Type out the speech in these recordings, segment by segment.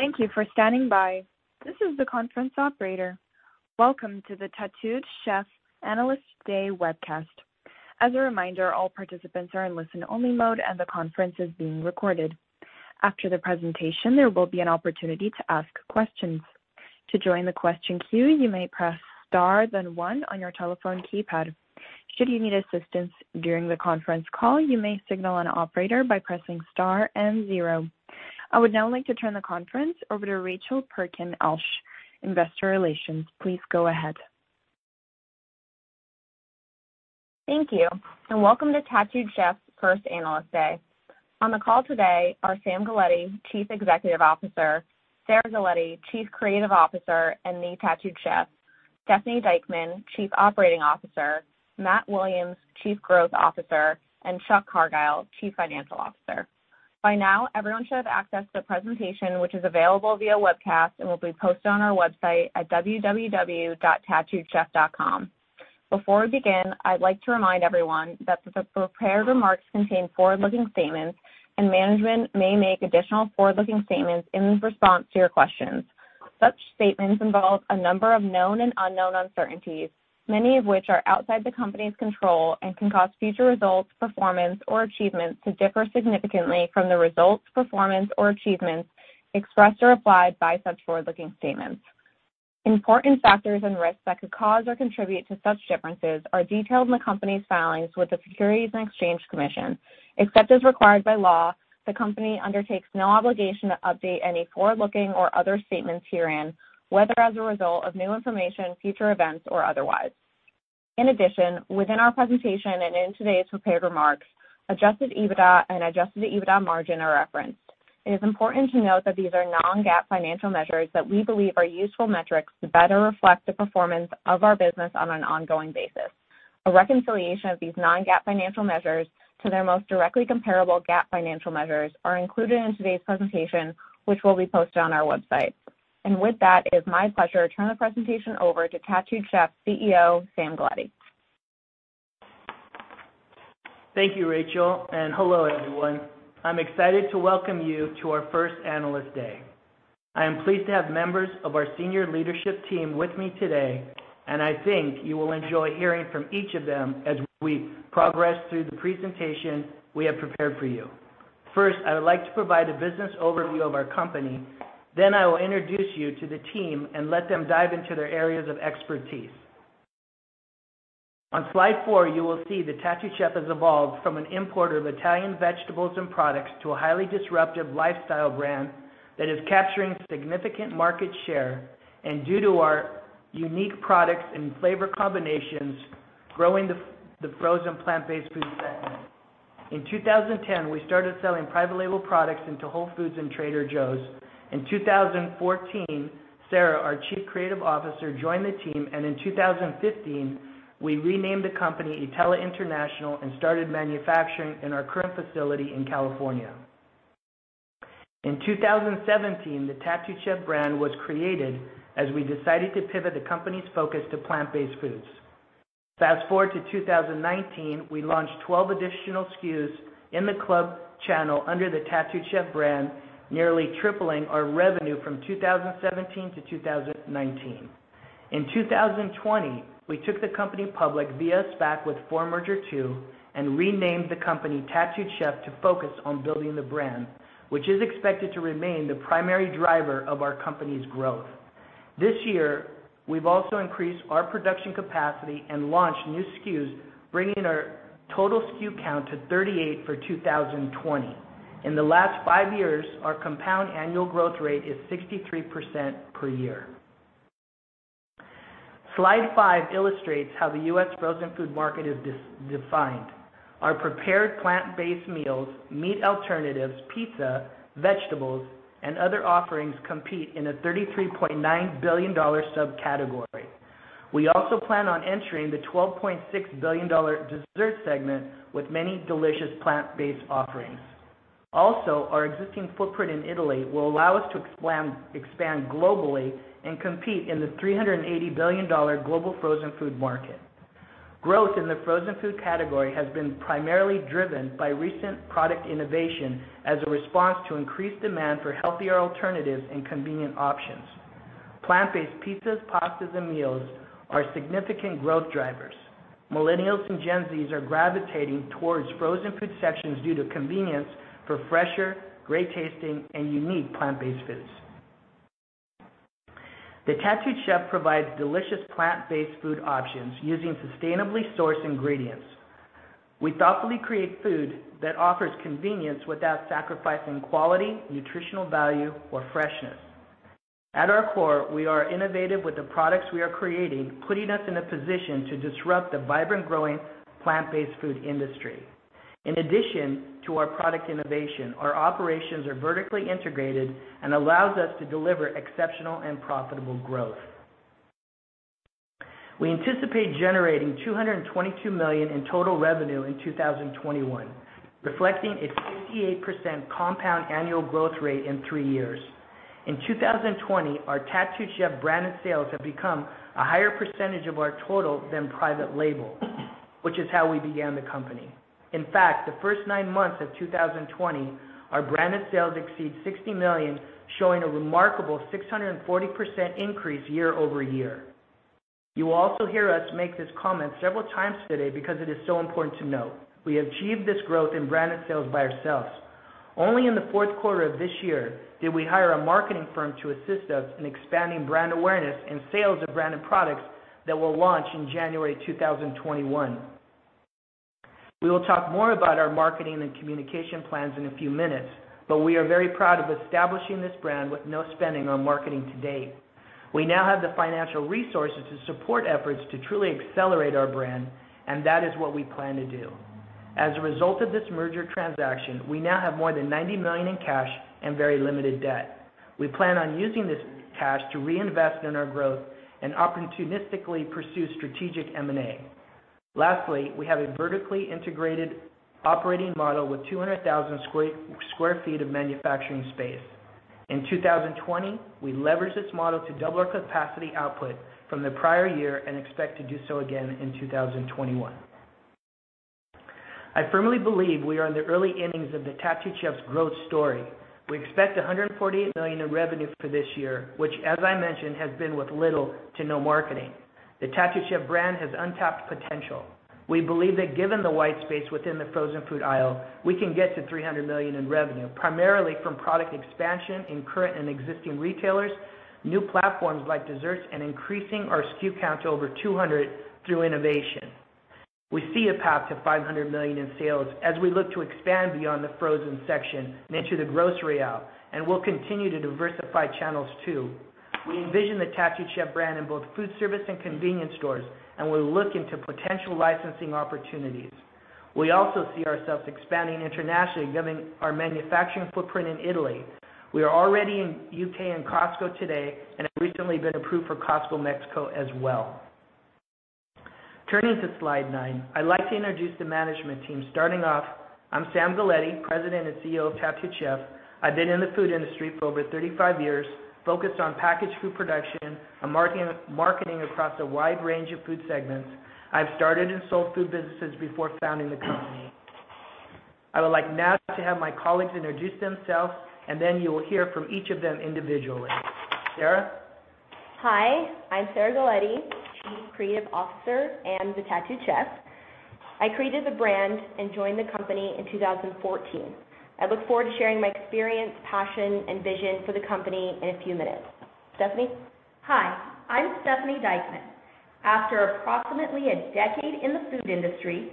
Thank you for standing by. This is the conference operator. Welcome to the Tattooed Chef Analyst Day webcast. As a reminder, all participants are in listen-only mode, and the conference is being recorded. After the presentation, there will be an opportunity to ask questions. To join the question queue, you may press star then one on your telephone keypad. Should you need assistance during the conference call, you may signal an operator by pressing star and zero. I would now like to turn the conference over to Rachel Perkins-Ulsh, Investor Relations. Please go ahead. Thank you, and welcome to Tattooed Chef's first Analyst Day. On the call today are Sam Galletti, Chief Executive Officer, Sarah Galletti, Chief Creative Officer and the Tattooed Chef, Stephanie Dieckmann, Chief Operating Officer, Matt Williams, Chief Growth Officer, and Chuck Cargile, Chief Financial Officer. By now, everyone should have accessed the presentation, which is available via webcast and will be posted on our website at www.tattooedchef.com. Before we begin, I'd like to remind everyone that the prepared remarks contain forward-looking statements, and management may make additional forward-looking statements in response to your questions. Such statements involve a number of known and unknown uncertainties, many of which are outside the company's control and can cause future results, performance, or achievements to differ significantly from the results, performance, or achievements expressed or implied by such forward-looking statements. Important factors and risks that could cause or contribute to such differences are detailed in the company's filings with the Securities and Exchange Commission. Except as required by law, the company undertakes no obligation to update any forward-looking or other statements herein, whether as a result of new information, future events, or otherwise. In addition, within our presentation and in today's prepared remarks, Adjusted EBITDA and Adjusted EBITDA margin are referenced. It is important to note that these are non-GAAP financial measures that we believe are useful metrics to better reflect the performance of our business on an ongoing basis. A reconciliation of these non-GAAP financial measures to their most directly comparable GAAP financial measures are included in today's presentation, which will be posted on our website. With that, it's my pleasure to turn the presentation over to Tattooed Chef CEO, Sam Galletti. Thank you, Rachel, and hello, everyone. I'm excited to welcome you to our first Analyst Day. I am pleased to have members of our senior leadership team with me today, and I think you will enjoy hearing from each of them as we progress through the presentation we have prepared for you. First, I would like to provide a business overview of our company. I will introduce you to the team and let them dive into their areas of expertise. On slide four, you will see that Tattooed Chef has evolved from an importer of Italian vegetables and products to a highly disruptive lifestyle brand that is capturing significant market share and, due to our unique products and flavor combinations, growing the frozen plant-based food segment. In 2010, we started selling private label products into Whole Foods and Trader Joe's. In 2014, Sarah, our Chief Creative Officer, joined the team, and in 2015, we renamed the company Ittella International and started manufacturing in our current facility in California. In 2017, the Tattooed Chef brand was created as we decided to pivot the company's focus to plant-based foods. Fast-forward to 2019, we launched 12 additional SKUs in the club channel under the Tattooed Chef brand, nearly tripling our revenue from 2017 to 2019. In 2020, we took the company public via SPAC with Forum Merger II and renamed the company Tattooed Chef to focus on building the brand, which is expected to remain the primary driver of our company's growth. This year, we've also increased our production capacity and launched new SKUs, bringing our total SKU count to 38 for 2020. In the last five years, our compound annual growth rate is 63% per year. Slide five illustrates how the U.S. frozen food market is defined. Our prepared plant-based meals, meat alternatives, pizza, vegetables, and other offerings compete in a $33.9 billion subcategory. We also plan on entering the $12.6 billion dessert segment with many delicious plant-based offerings. Our existing footprint in Italy will allow us to expand globally and compete in the $380 billion global frozen food market. Growth in the frozen food category has been primarily driven by recent product innovation as a response to increased demand for healthier alternatives and convenient options. Plant-based pizzas, pastas, and meals are significant growth drivers. Millennials and Gen Zs are gravitating towards frozen food sections due to convenience for fresher, great tasting, and unique plant-based foods. The Tattooed Chef provides delicious plant-based food options using sustainably sourced ingredients. We thoughtfully create food that offers convenience without sacrificing quality, nutritional value, or freshness. At our core, we are innovative with the products we are creating, putting us in a position to disrupt the vibrant, growing plant-based food industry. In addition to our product innovation, our operations are vertically integrated and allows us to deliver exceptional and profitable growth. We anticipate generating $222 million in total revenue in 2021, reflecting a 58% compound annual growth rate in three years. In 2020, our Tattooed Chef branded sales have become a higher percentage of our total than private label which is how we began the company. In fact, the first nine months of 2020, our branded sales exceed $60 million, showing a remarkable 640% increase year-over-year. You will also hear us make this comment several times today because it is so important to note. We achieved this growth in branded sales by ourselves. Only in the fourth quarter of this year did we hire a marketing firm to assist us in expanding brand awareness and sales of branded products that we'll launch in January 2021. We will talk more about our marketing and communication plans in a few minutes, but we are very proud of establishing this brand with no spending on marketing to date. We now have the financial resources to support efforts to truly accelerate our brand, and that is what we plan to do. As a result of this merger transaction, we now have more than $90 million in cash and very limited debt. We plan on using this cash to reinvest in our growth and opportunistically pursue strategic M&A. Lastly, we have a vertically integrated operating model with 200,000 sq ft of manufacturing space. In 2020, we leveraged this model to double our capacity output from the prior year and expect to do so again in 2021. I firmly believe we are in the early innings of the Tattooed Chef's growth story. We expect $148 million in revenue for this year, which as I mentioned, has been with little to no marketing. The Tattooed Chef brand has untapped potential. We believe that given the white space within the frozen food aisle, we can get to $300 million in revenue, primarily from product expansion in current and existing retailers, new platforms like desserts, and increasing our SKU count to over 200 through innovation. We see a path to $500 million in sales as we look to expand beyond the frozen section and into the grocery aisle, and we'll continue to diversify channels too. We envision the Tattooed Chef brand in both food service and convenience stores, and we'll look into potential licensing opportunities. We also see ourselves expanding internationally given our manufacturing footprint in Italy. We are already in U.K. and Costco today and have recently been approved for Costco Mexico as well. Turning to slide nine, I'd like to introduce the management team. Starting off, I'm Sam Galletti, President and CEO of Tattooed Chef. I've been in the food industry for over 35 years, focused on packaged food production and marketing across a wide range of food segments. I've started and sold food businesses before founding the company. I would like now to have my colleagues introduce themselves, and then you will hear from each of them individually. Sarah? Hi, I'm Sarah Galletti, Chief Creative Officer and the Tattooed Chef. I created the brand and joined the company in 2014. I look forward to sharing my experience, passion, and vision for the company in a few minutes. Stephanie? Hi, I'm Stephanie Dieckmann. After approximately a decade in the food industry,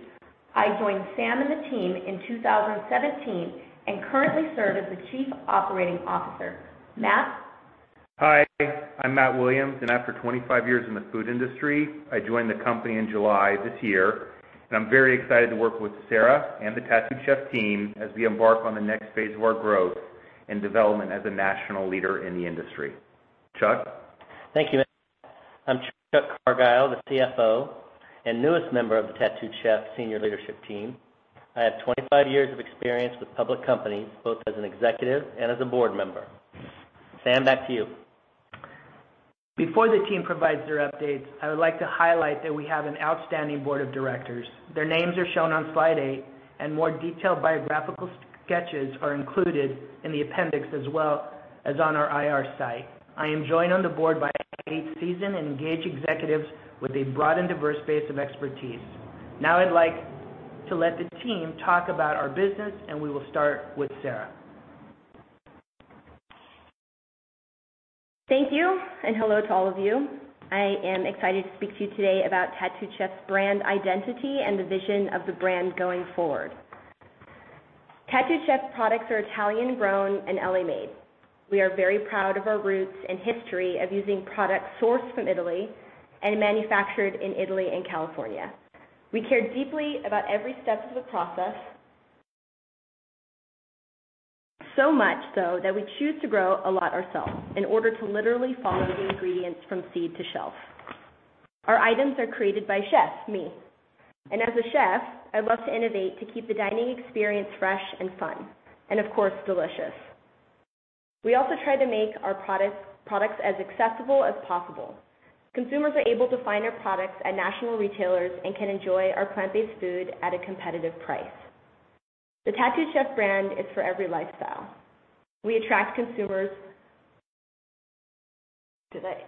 I joined Sam and the team in 2017 and currently serve as the Chief Operating Officer. Matt? Hi, I'm Matt Williams, and after 25 years in the food industry, I joined the company in July this year, and I'm very excited to work with Sarah and the Tattooed Chef team as we embark on the next phase of our growth and development as a national leader in the industry. Chuck? Thank you. I'm Chuck Cargile, the CFO, and newest member of the Tattooed Chef senior leadership team. I have 25 years of experience with public companies, both as an executive and as a board member. Sam, back to you. Before the team provides their updates, I would like to highlight that we have an outstanding board of directors. Their names are shown on slide eight, and more detailed biographical sketches are included in the appendix as well as on our IR site. I am joined on the board by eight seasoned and engaged executives with a broad and diverse base of expertise. Now I'd like to let the team talk about our business, and we will start with Sarah. Thank you, and hello to all of you. I am excited to speak to you today about Tattooed Chef's brand identity and the vision of the brand going forward. Tattooed Chef's products are Italian grown and L.A. made. We are very proud of our roots and history of using products sourced from Italy and manufactured in Italy and California. We care deeply about every step of the process so much so that we choose to grow a lot ourselves in order to literally follow the ingredients from seed to shelf. Our items are created by chefs, me. As a chef, I love to innovate to keep the dining experience fresh and fun and, of course, delicious. We also try to make our products as accessible as possible. Consumers are able to find our products at national retailers and can enjoy our plant-based food at a competitive price. The Tattooed Chef brand is for every lifestyle. We attract consumers today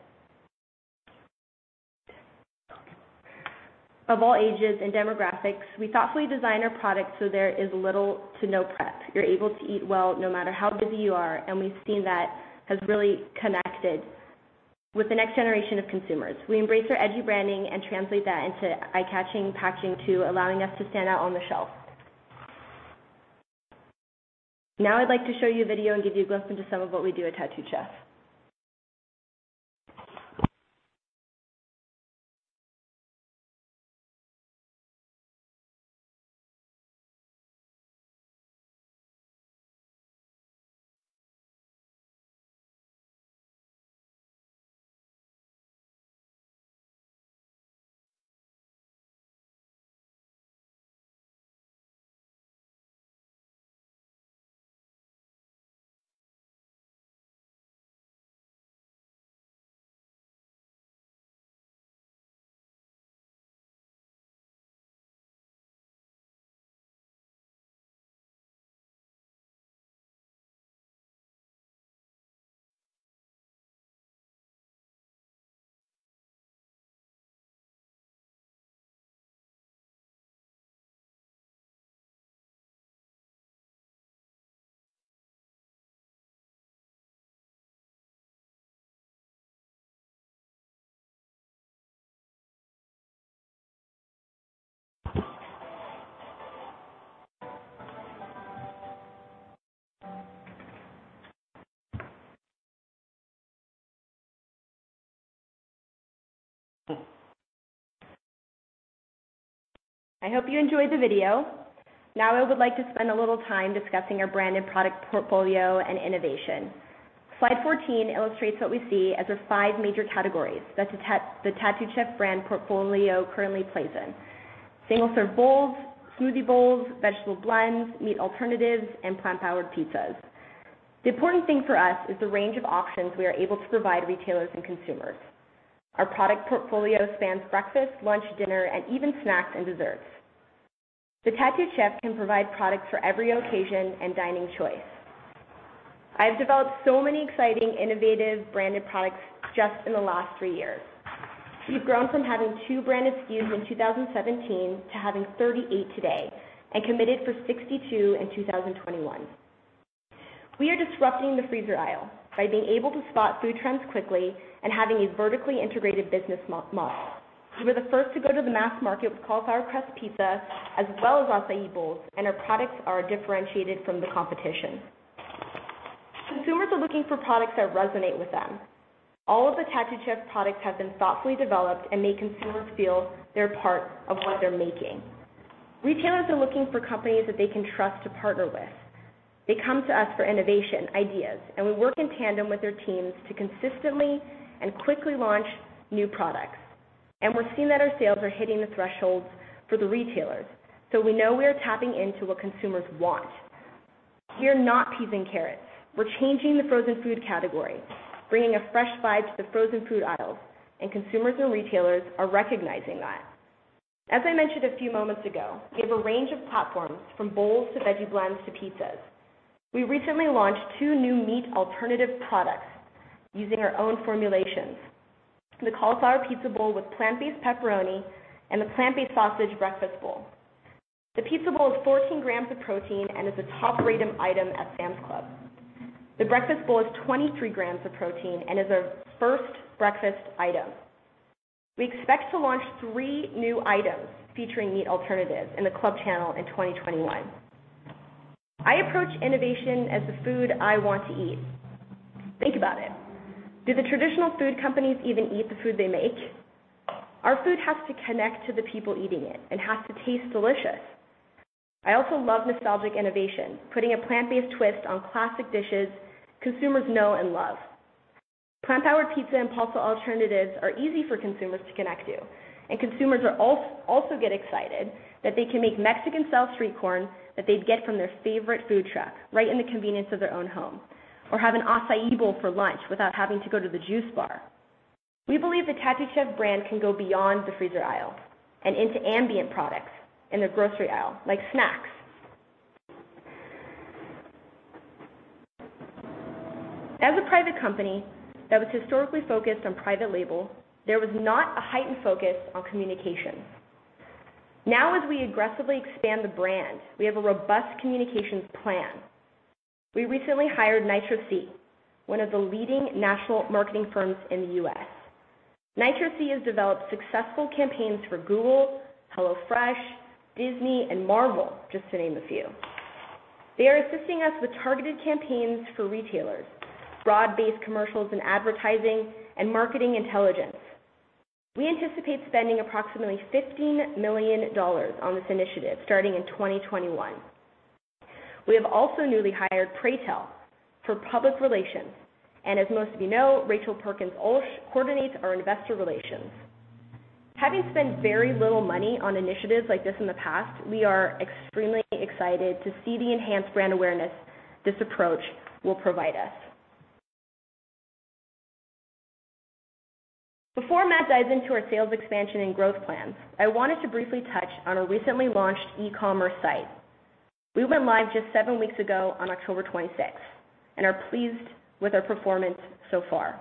of all ages and demographics. We thoughtfully design our products so there is little to no prep. You're able to eat well no matter how busy you are, and we've seen that has really connected with the next generation of consumers. We embrace our edgy branding and translate that into eye-catching packaging too, allowing us to stand out on the shelf. Now I'd like to show you a video and give you a glimpse into some of what we do at Tattooed Chef. I hope you enjoyed the video. Now I would like to spend a little time discussing our branded product portfolio and innovation. Slide 14 illustrates what we see as the five major categories that the Tattooed Chef brand portfolio currently plays in. Single-serve bowls, smoothie bowls, vegetable blends, meat alternatives, and plant-powered pizzas. The important thing for us is the range of options we are able to provide retailers and consumers. Our product portfolio spans breakfast, lunch, dinner, and even snacks and desserts. The Tattooed Chef can provide products for every occasion and dining choice. I've developed so many exciting, innovative branded products just in the last three years. We've grown from having two branded SKUs in 2017 to having 38 today, and committed for 62 in 2021. We are disrupting the freezer aisle by being able to spot food trends quickly and having a vertically integrated business model. We were the first to go to the mass market with cauliflower crust pizza as well as acai bowls, and our products are differentiated from the competition. Consumers are looking for products that resonate with them. All of the Tattooed Chef products have been thoughtfully developed and make consumers feel they're part of what they're making. Retailers are looking for companies that they can trust to partner with. They come to us for innovation, ideas, and we work in tandem with their teams to consistently and quickly launch new products. We're seeing that our sales are hitting the thresholds for the retailers, so we know we are tapping into what consumers want. We are not peas and carrots. We're changing the frozen food category, bringing a fresh vibe to the frozen food aisles, and consumers and retailers are recognizing that. As I mentioned a few moments ago, we have a range of platforms from bowls to veggie blends to pizzas. We recently launched two new meat alternative products using our own formulations. The cauliflower pizza bowl with plant-based pepperoni and the plant-based sausage breakfast bowl. The pizza bowl has 14 g of protein and is a top-rated item at Sam's Club. The breakfast bowl has 23 g of protein and is our first breakfast item. We expect to launch three new items featuring meat alternatives in the club channel in 2021. I approach innovation as the food I want to eat. Think about it. Do the traditional food companies even eat the food they make? Our food has to connect to the people eating it and has to taste delicious. I also love nostalgic innovation, putting a plant-based twist on classic dishes consumers know and love. Plant-powered pizza and pulse alternatives are easy for consumers to connect to and consumers also get excited that they can make Mexican-style street corn that they'd get from their favorite food truck right in the convenience of their own home or have an acai bowl for lunch without having to go to the juice bar. We believe the Tattooed Chef brand can go beyond the freezer aisle and into ambient products in the grocery aisle, like snacks. As a private company that was historically focused on private label, there was not a heightened focus on communication. Now, as we aggressively expand the brand, we have a robust communications plan. We recently hired NitroC, one of the leading national marketing firms in the U.S. NitroC has developed successful campaigns for Google, HelloFresh, Disney, and Marvel, just to name a few. They are assisting us with targeted campaigns for retailers, broad-based commercials and advertising, and marketing intelligence. We anticipate spending approximately $15 million on this initiative starting in 2021. We have also newly hired Praytell for public relations. as most of you know, Rachel Perkins-Ulsh coordinates our investor relations. Having spent very little money on initiatives like this in the past, we are extremely excited to see the enhanced brand awareness this approach will provide us. Before Matt dives into our sales expansion and growth plans, I wanted to briefly touch on our recently launched e-commerce site. We went live just seven weeks ago on October 26th and are pleased with our performance so far.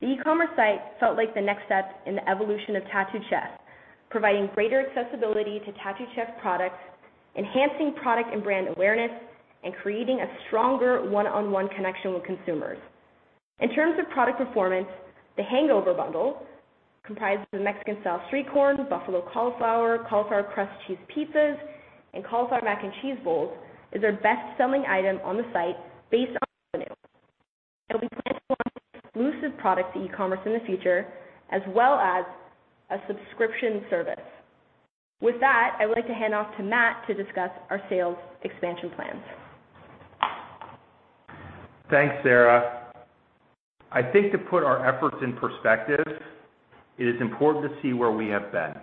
The e-commerce site felt like the next step in the evolution of Tattooed Chef, providing greater accessibility to Tattooed Chef products, enhancing product and brand awareness, and creating a stronger one-on-one connection with consumers. In terms of product performance, the Hangover Bundle, comprised of the Mexican-style street corn, buffalo cauliflower crust cheese pizzas, and cauliflower mac and cheese bowls, is our best-selling item on the site based on revenue. We plan to launch exclusive products to e-commerce in the future, as well as a subscription service. With that, I would like to hand off to Matt to discuss our sales expansion plans. Thanks, Sarah. I think to put our efforts in perspective, it is important to see where we have been.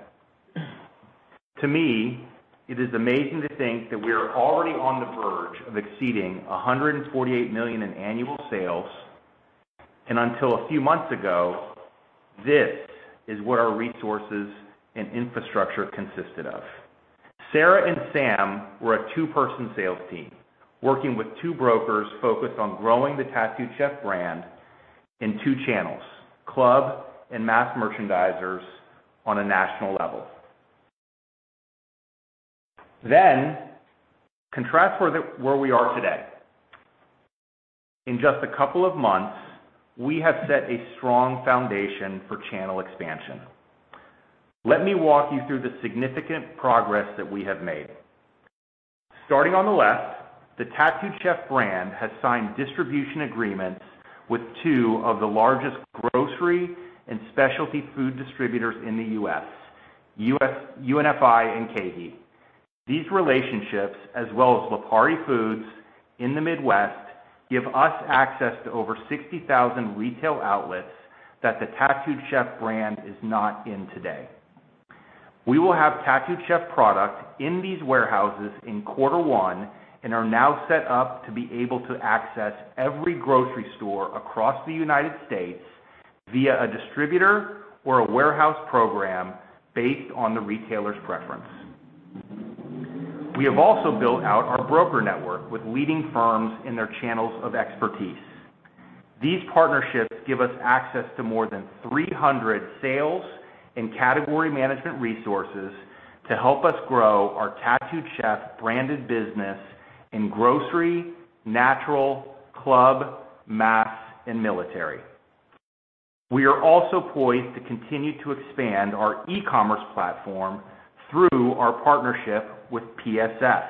To me, it is amazing to think that we are already on the verge of exceeding $148 million in annual sales, and until a few months ago, this is what our resources and infrastructure consisted of. Sarah and Sam were a two-person sales team, working with two brokers focused on growing the Tattooed Chef brand in two channels, club and mass merchandisers, on a national level. Then contrast where we are today. In just a couple of months, we have set a strong foundation for channel expansion. Let me walk you through the significant progress that we have made. Starting on the left, the Tattooed Chef brand has signed distribution agreements with two of the largest grocery and specialty food distributors in the U.S., UNFI and KeHE. These relationships, as well as Lipari Foods in the Midwest, give us access to over 60,000 retail outlets that the Tattooed Chef brand is not in today. We will have Tattooed Chef product in these warehouses in quarter one and are now set up to be able to access every grocery store across the United States via a distributor or a warehouse program based on the retailer's preference. We have also built out our broker network with leading firms in their channels of expertise. These partnerships give us access to more than 300 sales and category management resources to help us grow our Tattooed Chef branded business in grocery, natural, club, mass, and military. We are also poised to continue to expand our e-commerce platform through our partnership with PSS,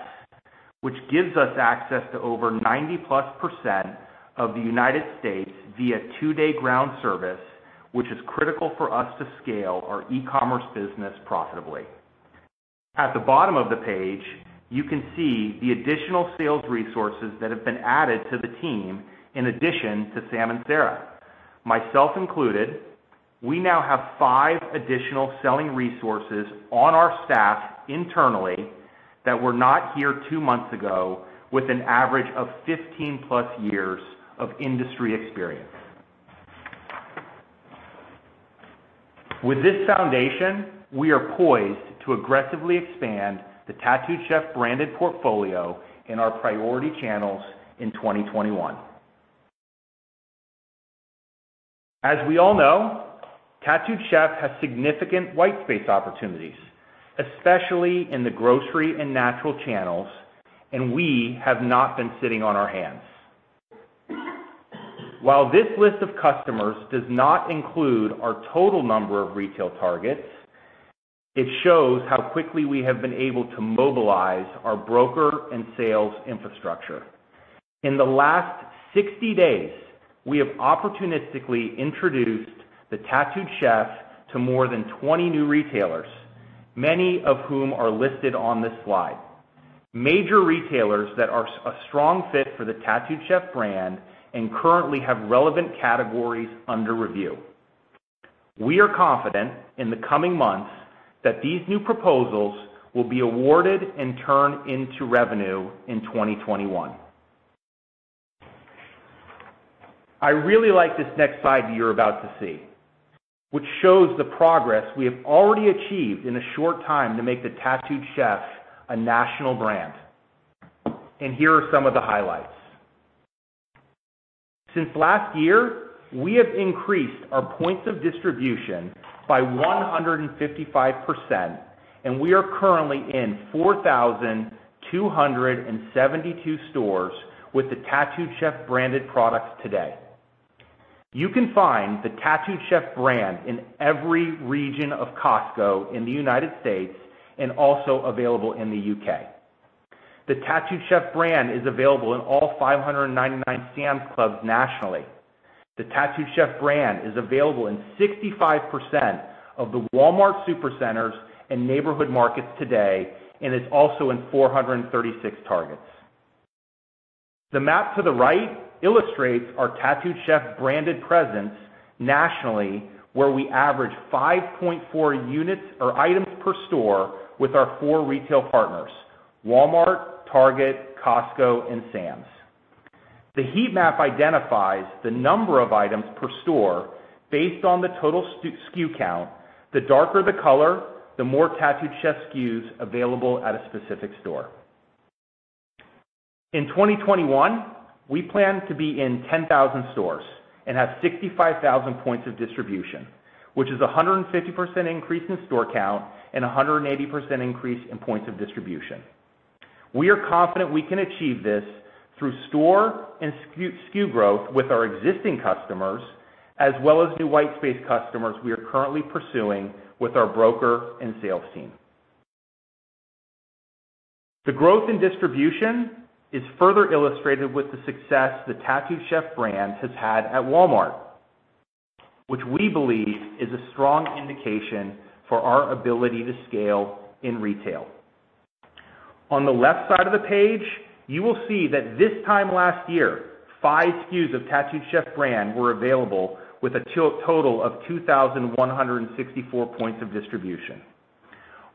which gives us access to over 90-plus% of the United States via two-day ground service, which is critical for us to scale our e-commerce business profitably. At the bottom of the page, you can see the additional sales resources that have been added to the team in addition to Sam and Sarah. Myself included, we now have five additional selling resources on our staff internally that were not here two months ago with an average of 15-plus years of industry experience. With this foundation, we are poised to aggressively expand the Tattooed Chef branded portfolio in our priority channels in 2021. As we all know, Tattooed Chef has significant white space opportunities, especially in the grocery and natural channels, and we have not been sitting on our hands. While this list of customers does not include our total number of retail targets, it shows how quickly we have been able to mobilize our broker and sales infrastructure. In the last 60 days, we have opportunistically introduced the Tattooed Chef to more than 20 new retailers, many of whom are listed on this slide. Major retailers that are a strong fit for the Tattooed Chef brand and currently have relevant categories under review. We are confident in the coming months that these new proposals will be awarded and turn into revenue in 2021. I really like this next slide that you're about to see, which shows the progress we have already achieved in a short time to make the Tattooed Chef a national brand. Here are some of the highlights. Since last year, we have increased our points of distribution by 155%, and we are currently in 4,272 stores with the Tattooed Chef branded products today. You can find the Tattooed Chef brand in every region of Costco in the United States and also available in the U.K. The Tattooed Chef brand is available in all 599 Sam's Clubs nationally. The Tattooed Chef brand is available in 65% of the Walmart Supercenters and Neighborhood Markets today, and it's also in 436 Targets. The map to the right illustrates our Tattooed Chef branded presence nationally, where we average 5.4 units or items per store with our four retail partners, Walmart, Target, Costco, and Sam's. The heat map identifies the number of items per store based on the total SKU count, the darker the color, the more Tattooed Chef SKUs available at a specific store. In 2021, we plan to be in 10,000 stores and have 65,000 points of distribution, which is 150% increase in store count and 180% increase in points of distribution. We are confident we can achieve this through store and SKU growth with our existing customers as well as new white space customers we are currently pursuing with our broker and sales team. The growth in distribution is further illustrated with the success the Tattooed Chef brand has had at Walmart, which we believe is a strong indication for our ability to scale in retail. On the left side of the page, you will see that this time last year, five SKUs of Tattooed Chef brand were available with a total of 2,164 points of distribution.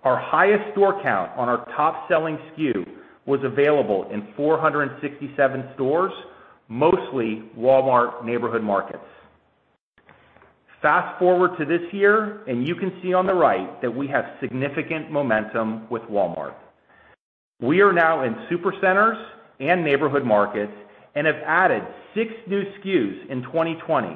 Our highest store count on our top-selling SKU was available in 467 stores, mostly Walmart Neighborhood Markets. Fast-forward to this year, and you can see on the right that we have significant momentum with Walmart. We are now in Supercenters and Neighborhood Markets and have added six new SKUs in 2020,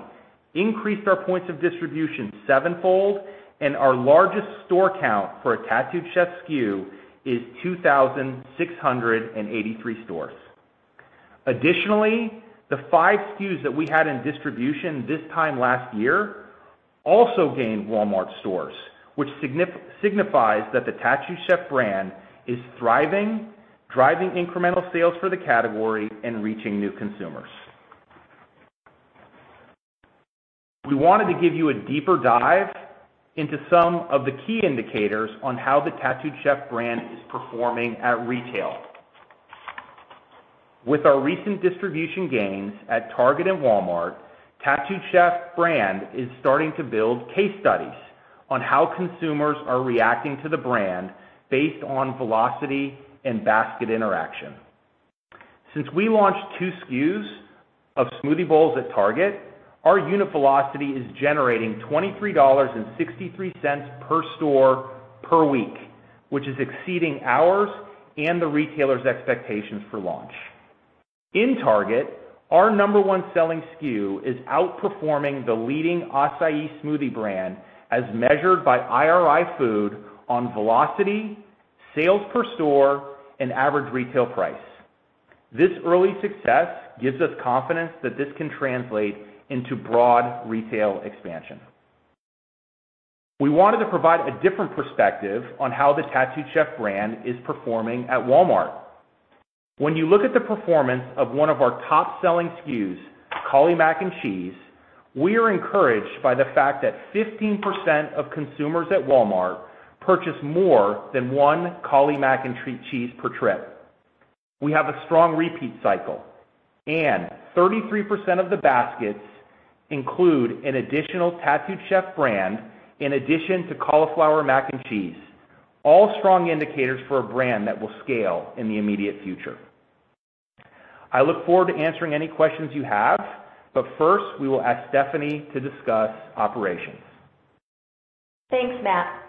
increased our points of distribution sevenfold, and our largest store count for a Tattooed Chef SKU is 2,683 stores. Additionally, the five SKUs that we had in distribution this time last year also gained Walmart stores, which signifies that the Tattooed Chef brand is thriving, driving incremental sales for the category, and reaching new consumers. We wanted to give you a deeper dive into some of the key indicators on how the Tattooed Chef brand is performing at retail. With our recent distribution gains at Target and Walmart, Tattooed Chef brand is starting to build case studies on how consumers are reacting to the brand based on velocity and basket interaction. Since we launched two SKUs of smoothie bowls at Target, our unit velocity is generating $23.63 per store per week, which is exceeding ours and the retailer's expectations for launch. In Target, our number one selling SKU is outperforming the leading acai smoothie brand as measured by IRI Food on velocity, sales per store, and average retail price. This early success gives us confidence that this can translate into broad retail expansion. We wanted to provide a different perspective on how the Tattooed Chef brand is performing at Walmart. When you look at the performance of one of our top-selling SKUs, cauli mac and cheese, we are encouraged by the fact that 15% of consumers at Walmart purchase more than one cauli mac and cheese per trip. We have a strong repeat cycle, and 33% of the baskets include an additional Tattooed Chef brand in addition to cauliflower mac and cheese. All strong indicators for a brand that will scale in the immediate future. I look forward to answering any questions you have, but first, we will ask Stephanie to discuss operations. Thanks, Matt.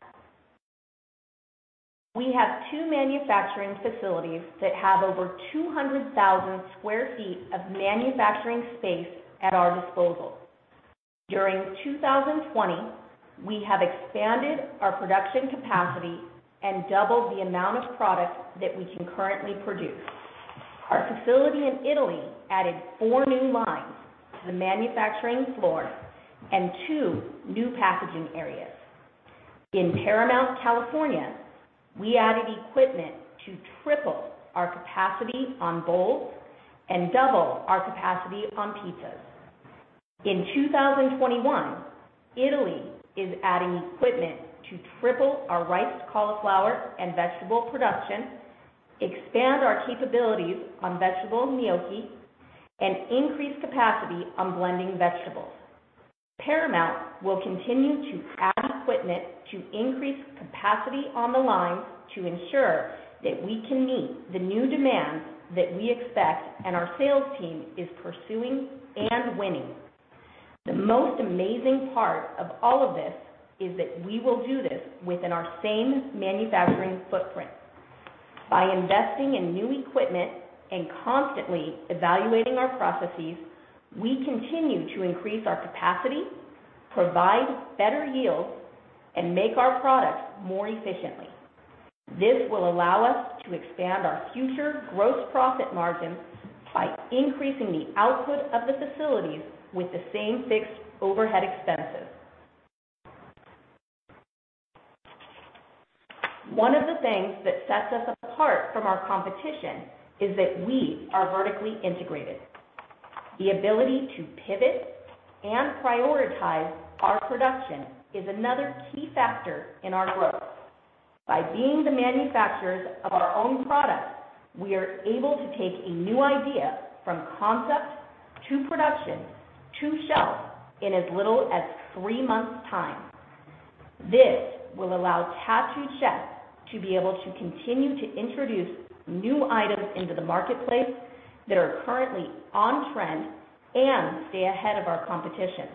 We have two manufacturing facilities that have over 200,000 sq ft of manufacturing space at our disposal. During 2020, we have expanded our production capacity and doubled the amount of product that we can currently produce. Our facility in Italy added four new lines to the manufacturing floor and two new packaging areas. In Paramount, California, we added equipment to triple our capacity on bowls and double our capacity on pizzas. In 2021, Italy is adding equipment to triple our riced cauliflower and vegetable production, expand our capabilities on vegetable gnocchi, and increase capacity on blending vegetables. Paramount will continue to add equipment to increase capacity on the line to ensure that we can meet the new demands that we expect and our sales team is pursuing and winning. The most amazing part of all of this is that we will do this within our same manufacturing footprint. By investing in new equipment and constantly evaluating our processes, we continue to increase our capacity, provide better yield, and make our products more efficiently. This will allow us to expand our future gross profit margins by increasing the output of the facilities with the same fixed overhead expenses. One of the things that sets us apart from our competition is that we are vertically integrated. The ability to pivot and prioritize our production is another key factor in our growth. By being the manufacturers of our own products, we are able to take a new idea from concept to production to shelf in as little as three months' time. This will allow Tattooed Chef to be able to continue to introduce new items into the marketplace that are currently on trend and stay ahead of our competition.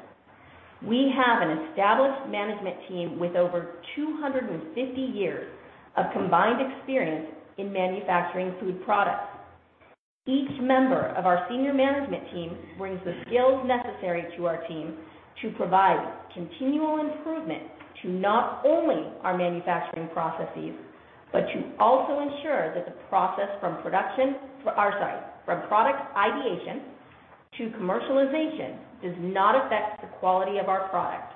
We have an established management team with over 250 years of combined experience in manufacturing food products. Each member of our senior management team brings the skills necessary to our team to provide continual improvement to not only our manufacturing processes, but to also ensure that the process from product ideation to commercialization does not affect the quality of our product.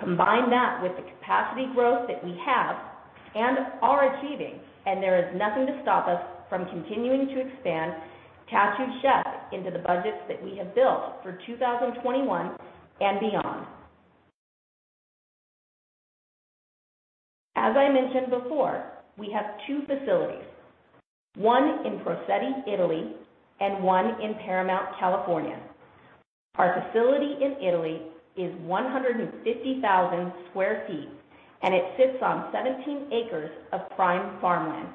Combine that with the capacity growth that we have and are achieving, and there is nothing to stop us from continuing to expand Tattooed Chef into the budgets that we have built for 2021 and beyond. As I mentioned before, we have two facilities, one in Frosinone, Italy, and one in Paramount, California. Our facility in Italy is 150,000 sq ft, and it sits on 17 acres of prime farmland.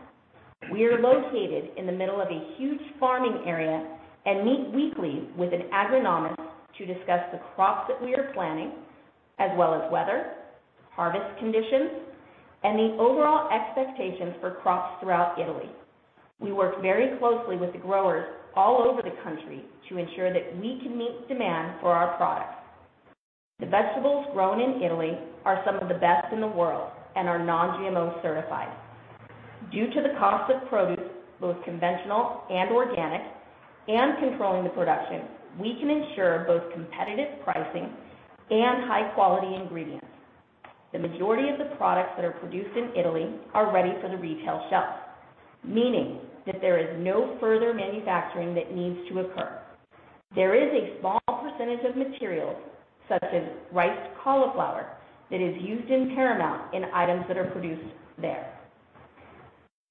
We are located in the middle of a huge farming area and meet weekly with an agronomist to discuss the crops that we are planting, as well as weather, harvest conditions, and the overall expectations for crops throughout Italy. We work very closely with the growers all over the country to ensure that we can meet demand for our products. The vegetables grown in Italy are some of the best in the world and are non-GMO certified. Due to the cost of produce, both conventional and organic, and controlling the production, we can ensure both competitive pricing and high-quality ingredients. The majority of the products that are produced in Italy are ready for the retail shelf, meaning that there is no further manufacturing that needs to occur. There is a small percentage of materials, such as riced cauliflower, that is used in Paramount in items that are produced there.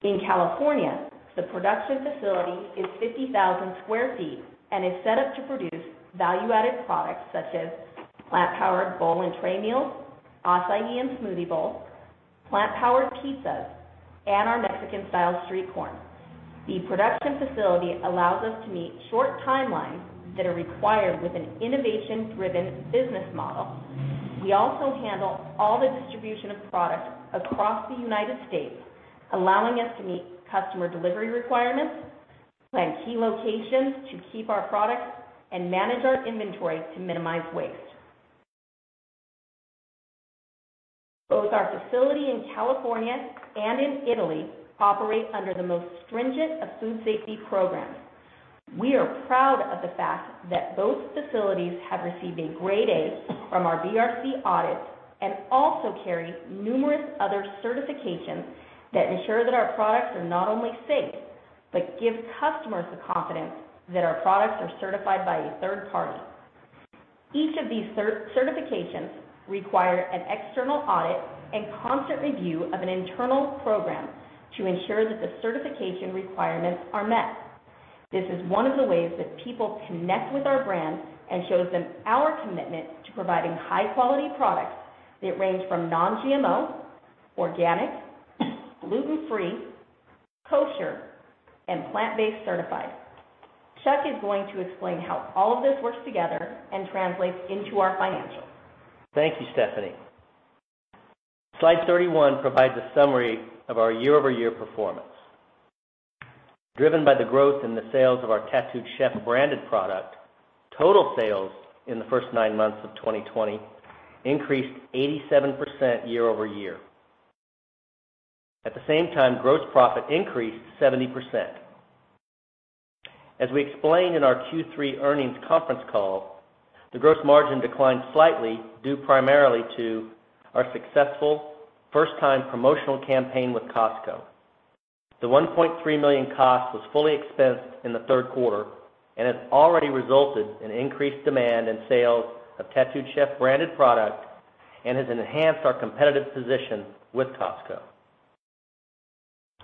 In California, the production facility is 50,000 sq ft and is set up to produce value-added products such as plant-powered bowl and tray meals, acai and smoothie bowls, plant-powered pizzas, and our Mexican-style street corn. The production facility allows us to meet short timelines that are required with an innovation-driven business model. We also handle all the distribution of products across the United States, allowing us to meet customer delivery requirements, plan key locations to keep our products, and manage our inventory to minimize waste. Both our facility in California and in Italy operate under the most stringent of food safety programs. We are proud of the fact that both facilities have received a grade A from our BRC audit and also carry numerous other certifications that ensure that our products are not only safe but give customers the confidence that our products are certified by a third party. Each of these certifications require an external audit and constant review of an internal program to ensure that the certification requirements are met. This is one of the ways that people connect with our brand and shows them our commitment to providing high-quality products that range from non-GMO, organic, gluten-free, kosher, and plant-based certified. Chuck is going to explain how all of this works together and translates into our financials. Thank you, Stephanie. Slide 31 provides a summary of our year-over-year performance. Driven by the growth in the sales of our Tattooed Chef branded product, total sales in the first nine months of 2020 increased 87% year-over-year. At the same time, gross profit increased 70%. As we explained in our Q3 earnings conference call, the gross margin declined slightly due primarily to our successful first-time promotional campaign with Costco. The $1.3 million cost was fully expensed in the third quarter and has already resulted in increased demand and sales of Tattooed Chef branded product and has enhanced our competitive position with Costco.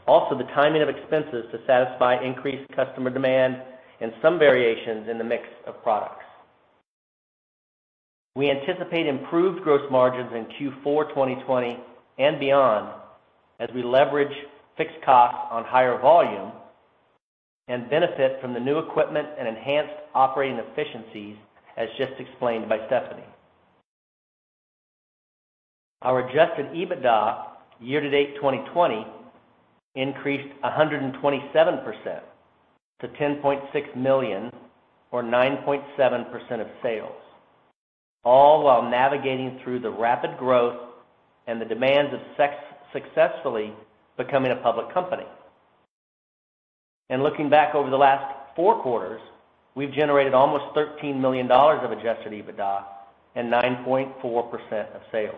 Also the timing of expenses to satisfy increased customer demand and some variations in the mix of products. We anticipate improved gross margins in Q4 2020 and beyond as we leverage fixed costs on higher volume and benefit from the new equipment and enhanced operating efficiencies, as just explained by Stephanie. Our Adjusted EBITDA year to date 2020 increased 127% to $10.6 million, or 9.7% of sales, all while navigating through the rapid growth and the demands of successfully becoming a public company. Looking back over the last four quarters, we've generated almost $13 million of Adjusted EBITDA and 9.4% of sales.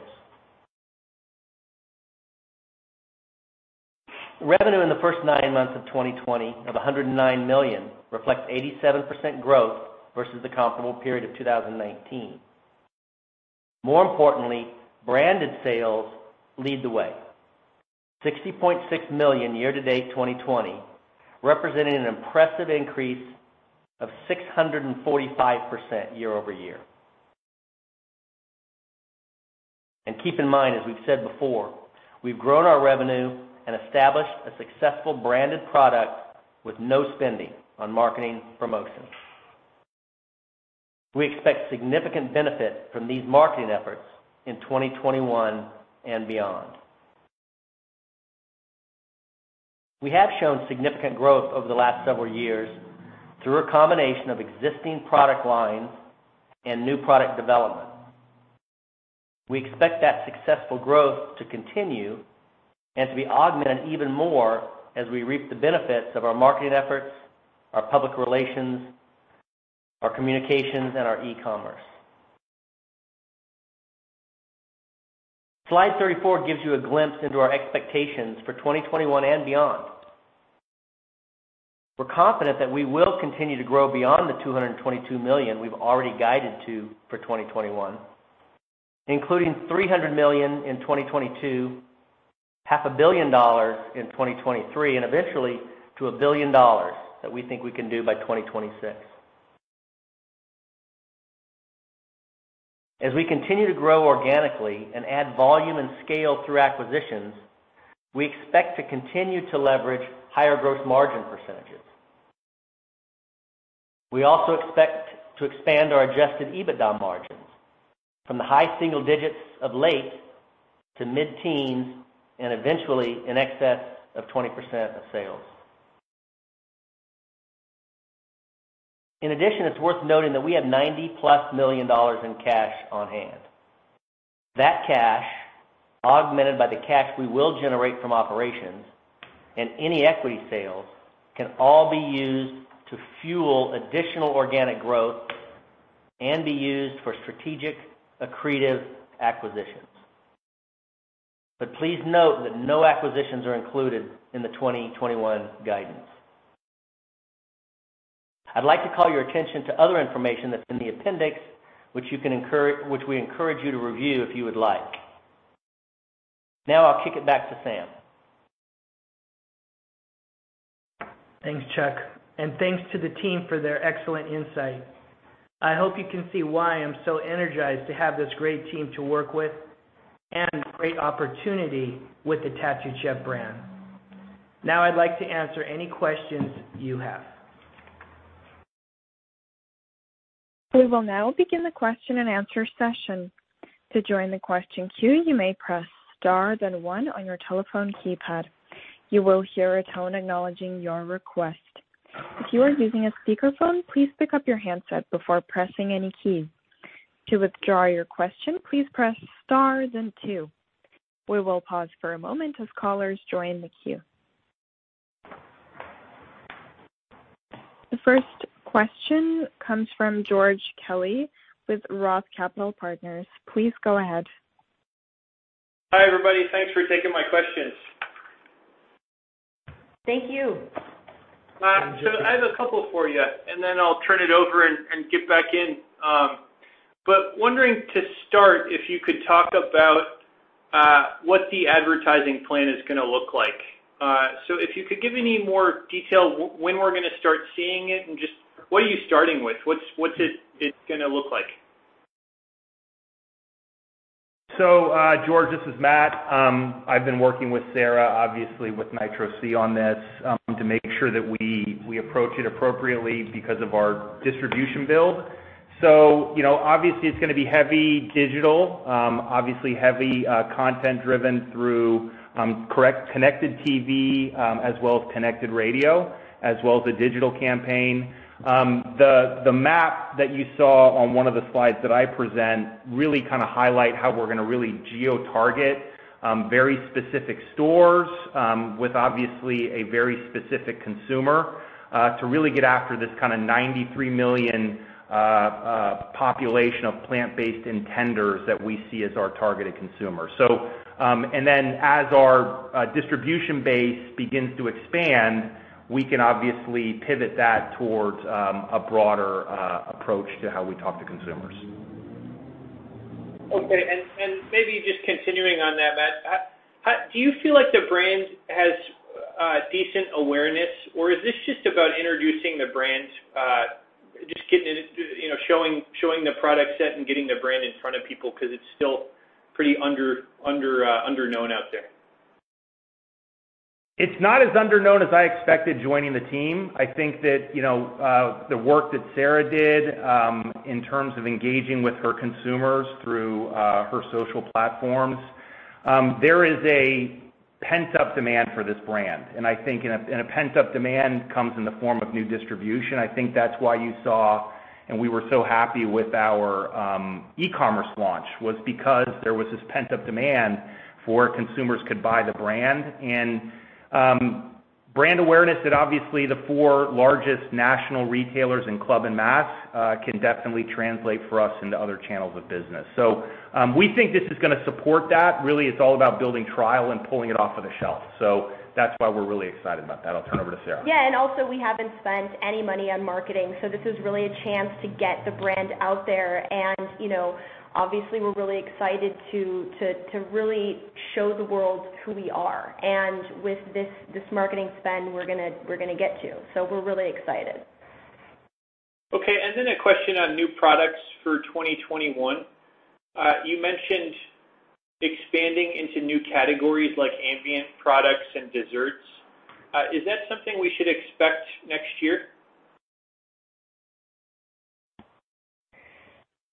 Revenue in the first nine months of 2020 of $109 million reflects 87% growth versus the comparable period of 2019. More importantly, branded sales lead the way. $60.6 million year to date 2020, representing an impressive increase of 645% year-over-year. Keep in mind, as we've said before, we've grown our revenue and established a successful branded product with no spending on marketing promotions. We expect significant benefit from these marketing efforts in 2021 and beyond. We have shown significant growth over the last several years through a combination of existing product lines and new product development. We expect that successful growth to continue and to be augmented even more as we reap the benefits of our marketing efforts, our public relations, our communications, and our e-commerce. Slide 34 gives you a glimpse into our expectations for 2021 and beyond We're confident that we will continue to grow beyond the $222 million we've already guided to for 2021, including $300 million in 2022, $0.5 billion in 2023, and eventually to a billion dollars that we think we can do by 2026. As we continue to grow organically and add volume and scale through acquisitions, we expect to continue to leverage higher gross margin percentages. We also expect to expand our Adjusted EBITDA margins from the high single digits of late to mid-teens and eventually in excess of 20% of sales. In addition, it's worth noting that we have $90 plus million in cash on hand. That cash, augmented by the cash we will generate from operations and any equity sales, can all be used to fuel additional organic growth and be used for strategic accretive acquisitions. Please note that no acquisitions are included in the 2021 guidance. I'd like to call your attention to other information that's in the appendix, which we encourage you to review if you would like. Now, I'll kick it back to Sam. Thanks, Chuck, and thanks to the team for their excellent insight. I hope you can see why I'm so energized to have this great team to work with and this great opportunity with the Tattooed Chef brand. Now I'd like to answer any questions you have. We will now begin the question and answer session. To join the question queue, you may press star then one on your telephone keypad. You will hear a tone acknowledging your request. If you are using a speakerphone, please pick up your handset before pressing any key. To withdraw your question, please press star then two. We will pause for a moment as callers join the queue. The first question comes from George Kelly with Roth Capital Partners. Please go ahead. Hi, everybody. Thanks for taking my questions. Thank you. I have a couple for you, and then I'll turn it over and get back in. Wondering to start, if you could talk about what the advertising plan is going to look like. If you could give any more detail, when we're going to start seeing it, and just what are you starting with? What's it going to look like? George, this is Matt. I've been working with Sarah, obviously with NitroC on this, to make sure that we approach it appropriately because of our distribution build. Obviously it's going to be heavy digital, obviously heavy content driven through Connected TV, as well as connected radio, as well as a digital campaign. The map that you saw on one of the slides that I present really kind of highlight how we're going to really geo-target very specific stores with obviously a very specific consumer, to really get after this kind of 93 million population of plant-based intenders that we see as our targeted consumer and then as our distribution base begins to expand, we can obviously pivot that towards a broader approach to how we talk to consumers. Okay. Maybe just continuing on that, Matt, do you feel like the brand has decent awareness, or is this just about introducing the brand, just showing the product set and getting the brand in front of people because it's still pretty underknown out there? It's not as underknown as I expected joining the team. I think that the work that Sarah did in terms of engaging with her consumers through her social platforms, there is a pent-up demand for this brand. I think in a pent-up demand comes in the form of new distribution. I think that's why you saw, and we were so happy with our e-commerce launch, was because there was this pent-up demand for consumers could buy the brand. Brand awareness that obviously the four largest national retailers in club and mass can definitely translate for us into other channels of business. We think this is going to support that. Really, it's all about building trial and pulling it off of the shelf. That's why we're really excited about that. I'll turn over to Sarah. Yeah. Also, we haven't spent any money on marketing, so this is really a chance to get the brand out there. Obviously, we're really excited to really show the world who we are. With this marketing spend, we're going to get to. We're really excited. Okay. a question on new products for 2021. You mentioned expanding into new categories like ambient products and desserts. Is that something we should expect next year?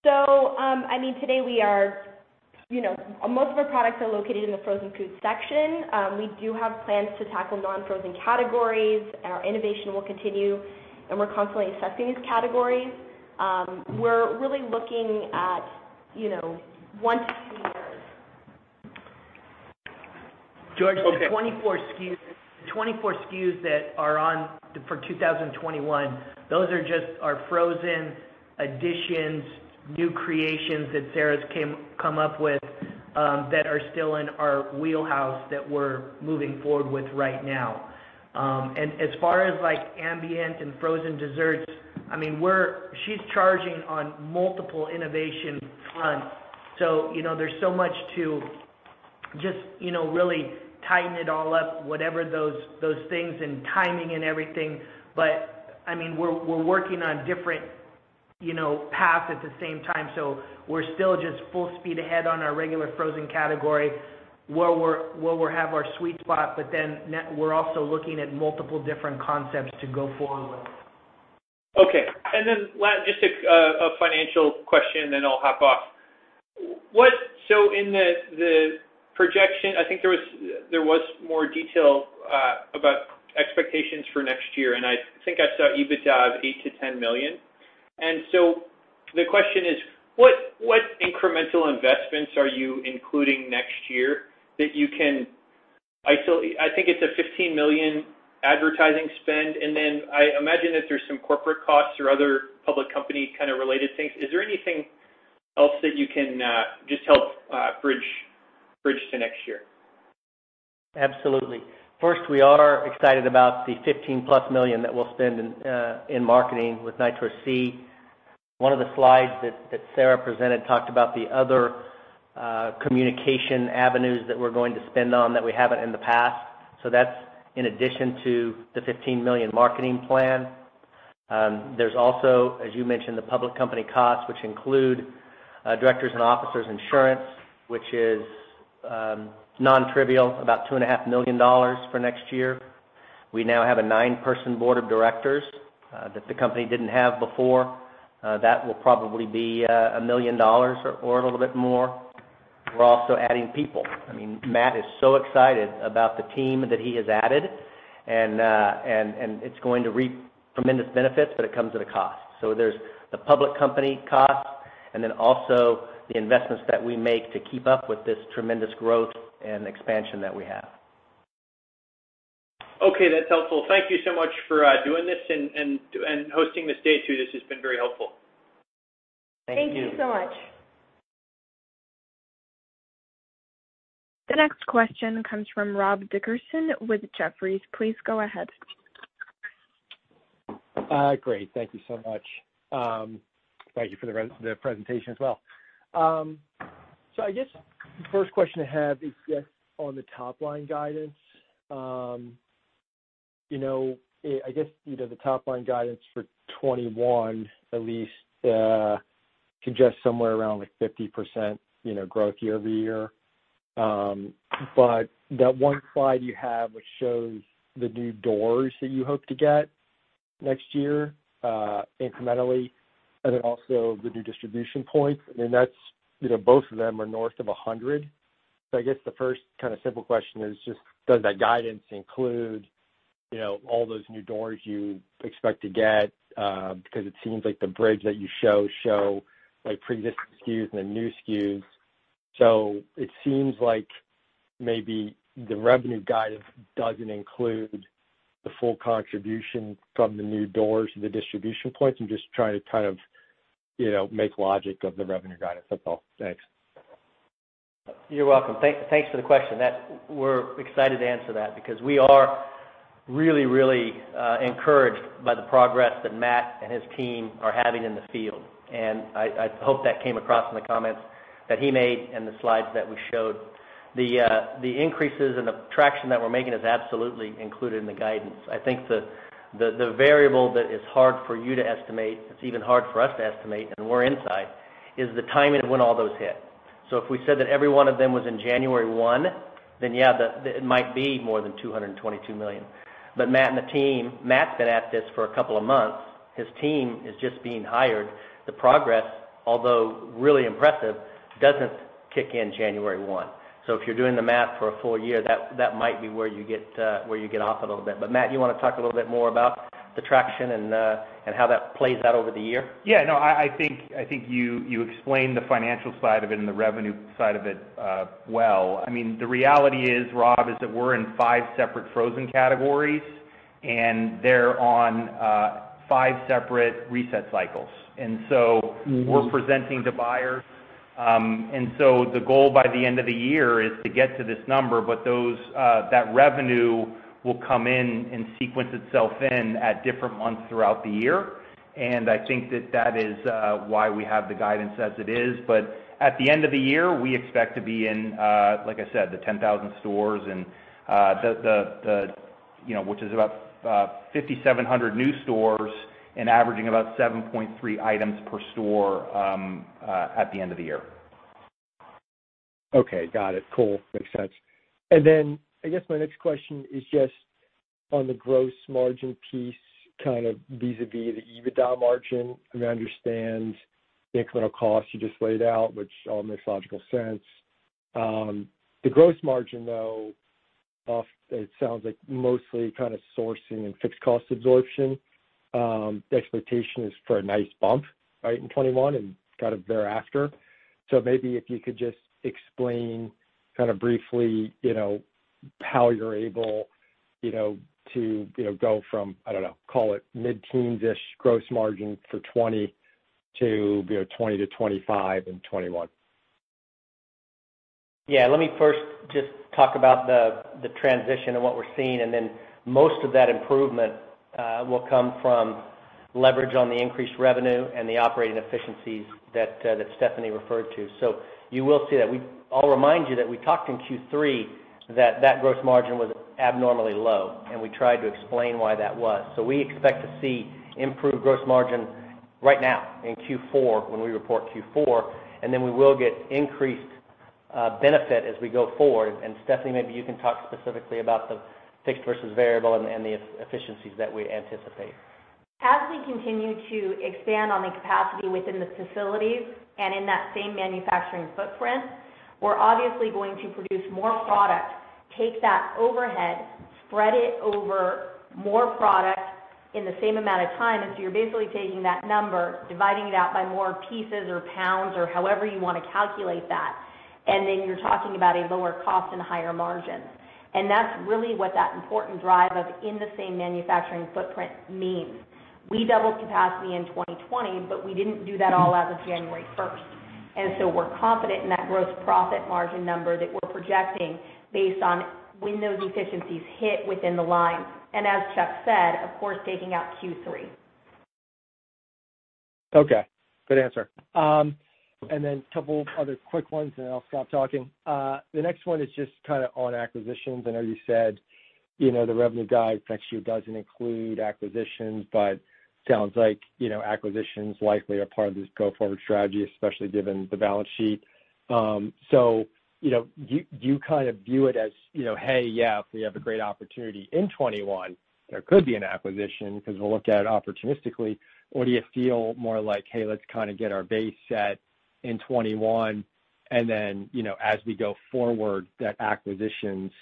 Today most of our products are located in the frozen food section. We do have plans to tackle non-frozen categories. Our innovation will continue, and we're constantly assessing these categories. We're really looking at once we George, the 24 SKUs that are on for 2021, those are just our frozen additions, new creations that Sarah's come up with that are still in our wheelhouse that we're moving forward with right now and ass far as ambient and frozen desserts, she's charging on multiple innovation fronts. There's so much to just really tighten it all up, whatever those things and timing and everything. we're working on different paths at the same time. we're still just full speed ahead on our regular frozen category where we have our sweet spot, but then we're also looking at multiple different concepts to go forward with. Okay. Last, just a financial question, then I'll hop off. In the projection, I think there was more detail about expectations for next year, and I think I saw EBITDA of $8 million-$10 million. The question is, what incremental investments are you including next year that you can isolate? I think it's a $15 million advertising spend, and then I imagine that there's some corporate costs or other public company kind of related things. Is there anything else that you can just help bridge to next year? Absolutely. First, we are excited about the $15 plus million that we'll spend in marketing with NitroC. One of the slides that Sarah presented talked about the other communication avenues that we're going to spend on that we haven't in the past. That's in addition to the $15 million marketing plan. There's also, as you mentioned, the public company costs, which include directors' and officers' insurance, which is non-trivial, about $2.5 million for next year. We now have a nine-person board of directors that the company didn't have before. That will probably be $1 million or a little bit more. We're also adding people. Matt is so excited about the team that he has added, and it's going to reap tremendous benefits, but it comes at a cost. There's the public company cost, and then also the investments that we make to keep up with this tremendous growth and expansion that we have. Okay, that's helpful. Thank you so much for doing this and hosting this day, too. This has been very helpful. Thank you. Thank you so much. The next question comes from Rob Dickerson with Jefferies. Please go ahead. Great. Thank you so much. Thank you for the presentation as well. I guess the first question I have is just on the top-line guidance. I guess, the top-line guidance for 2021, at least, suggests somewhere around 50% growth year-over-year. That one slide you have, which shows the new doors that you hope to get next year incrementally, and then also the new distribution points, both of them are north of 100. I guess the first simple question is just, does that guidance include all those new doors you expect to get? Because it seems like the bridge that you show shows previous SKUs and then new SKUs. It seems like maybe the revenue guidance doesn't include the full contribution from the new doors and the distribution points. I'm just trying to kind of make logic of the revenue guidance. That's all. Thanks. You're welcome. Thanks for the question. We're excited to answer that because we are really, really encouraged by the progress that Matt and his team are having in the field. I hope that came across in the comments that he made and the slides that we showed. The increases and the traction that we're making is absolutely included in the guidance. I think the variable that is hard for you to estimate, it's even hard for us to estimate, and we're inside, is the timing of when all those hit. If we said that every one of them was in January 1, then yeah, it might be more than $222 million. Matt and the team, Matt's been at this for a couple of months. His team is just being hired. The progress, although really impressive, doesn't kick in January 1. If you're doing the math for a full year, that might be where you get off a little bit. Matt, you want to talk a little bit more about the traction and how that plays out over the year? Yeah. No, I think you explained the financial side of it and the revenue side of it well. The reality is, Rob, is that we're in five separate frozen categories, and they're on five separate reset cycles. We're presenting to buyers. The goal by the end of the year is to get to this number, but that revenue will come in and sequence itself in at different months throughout the year. I think that that is why we have the guidance as it is. At the end of the year, we expect to be in, like I said, the 10,000 stores, which is about 5,700 new stores and averaging about 7.3 items per store at the end of the year. Okay. Got it. Cool. Makes sense. Then I guess my next question is just on the gross margin piece, kind of vis-à-vis the EBITDA margin. I understand the incremental costs you just laid out, which all makes logical sense. The gross margin, though, it sounds like mostly kind of sourcing and fixed cost absorption. The expectation is for a nice bump in 2021 and thereafter. Maybe if you could just explain briefly how you're able to go from, I don't know, call it mid-teens-ish gross margin for 2020 to 20%-25% in 2021. Yeah. Let me first just talk about the transition and what we're seeing, and then most of that improvement will come from leverage on the increased revenue and the operating efficiencies that Stephanie referred to. You will see that. I'll remind you that we talked in Q3 that that gross margin was abnormally low, and we tried to explain why that was. We expect to see improved gross margin right now in Q4 when we report Q4, and then we will get increased benefit as we go forward. Stephanie, maybe you can talk specifically about the fixed versus variable and the efficiencies that we anticipate. As we continue to expand on the capacity within the facilities and in that same manufacturing footprint, we're obviously going to produce more product, take that overhead, spread it over more product in the same amount of time. you're basically taking that number, dividing it out by more pieces or pounds or however you want to calculate that, and then you're talking about a lower cost and higher margins. That's really what that important drive of in the same manufacturing footprint means. We doubled capacity in 2020, but we didn't do that all as of January 1st so we're confident in that gross profit margin number that we're projecting based on when those efficiencies hit within the line and as Chuck said, of course, taking out Q3. Okay. Good answer. A couple other quick ones, and then I'll stop talking. The next one is just on acquisitions. I know you said the revenue guide for next year doesn't include acquisitions, but sounds like acquisitions likely are part of this go forward strategy, especially given the balance sheet. Do you view it as, "Hey, yeah, if we have a great opportunity in '21, there could be an acquisition because we'll look at it opportunistically," or do you feel more like, "Hey, let's get our base set in 2021, and then, as we go forward, that acquisitions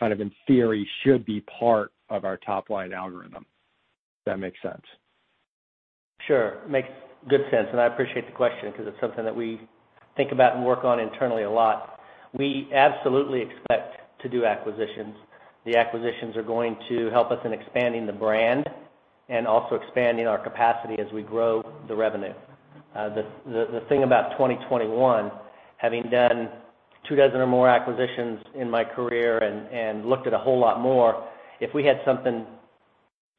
in theory should be part of our top-line algorithm?" If that makes sense. Sure. Makes good sense. I appreciate the question because it's something that we think about and work on internally a lot. We absolutely expect to do acquisitions. The acquisitions are going to help us in expanding the brand and also expanding our capacity as we grow the revenue. The thing about 2021, having done two dozen or more acquisitions in my career and looked at a whole lot more, if we had something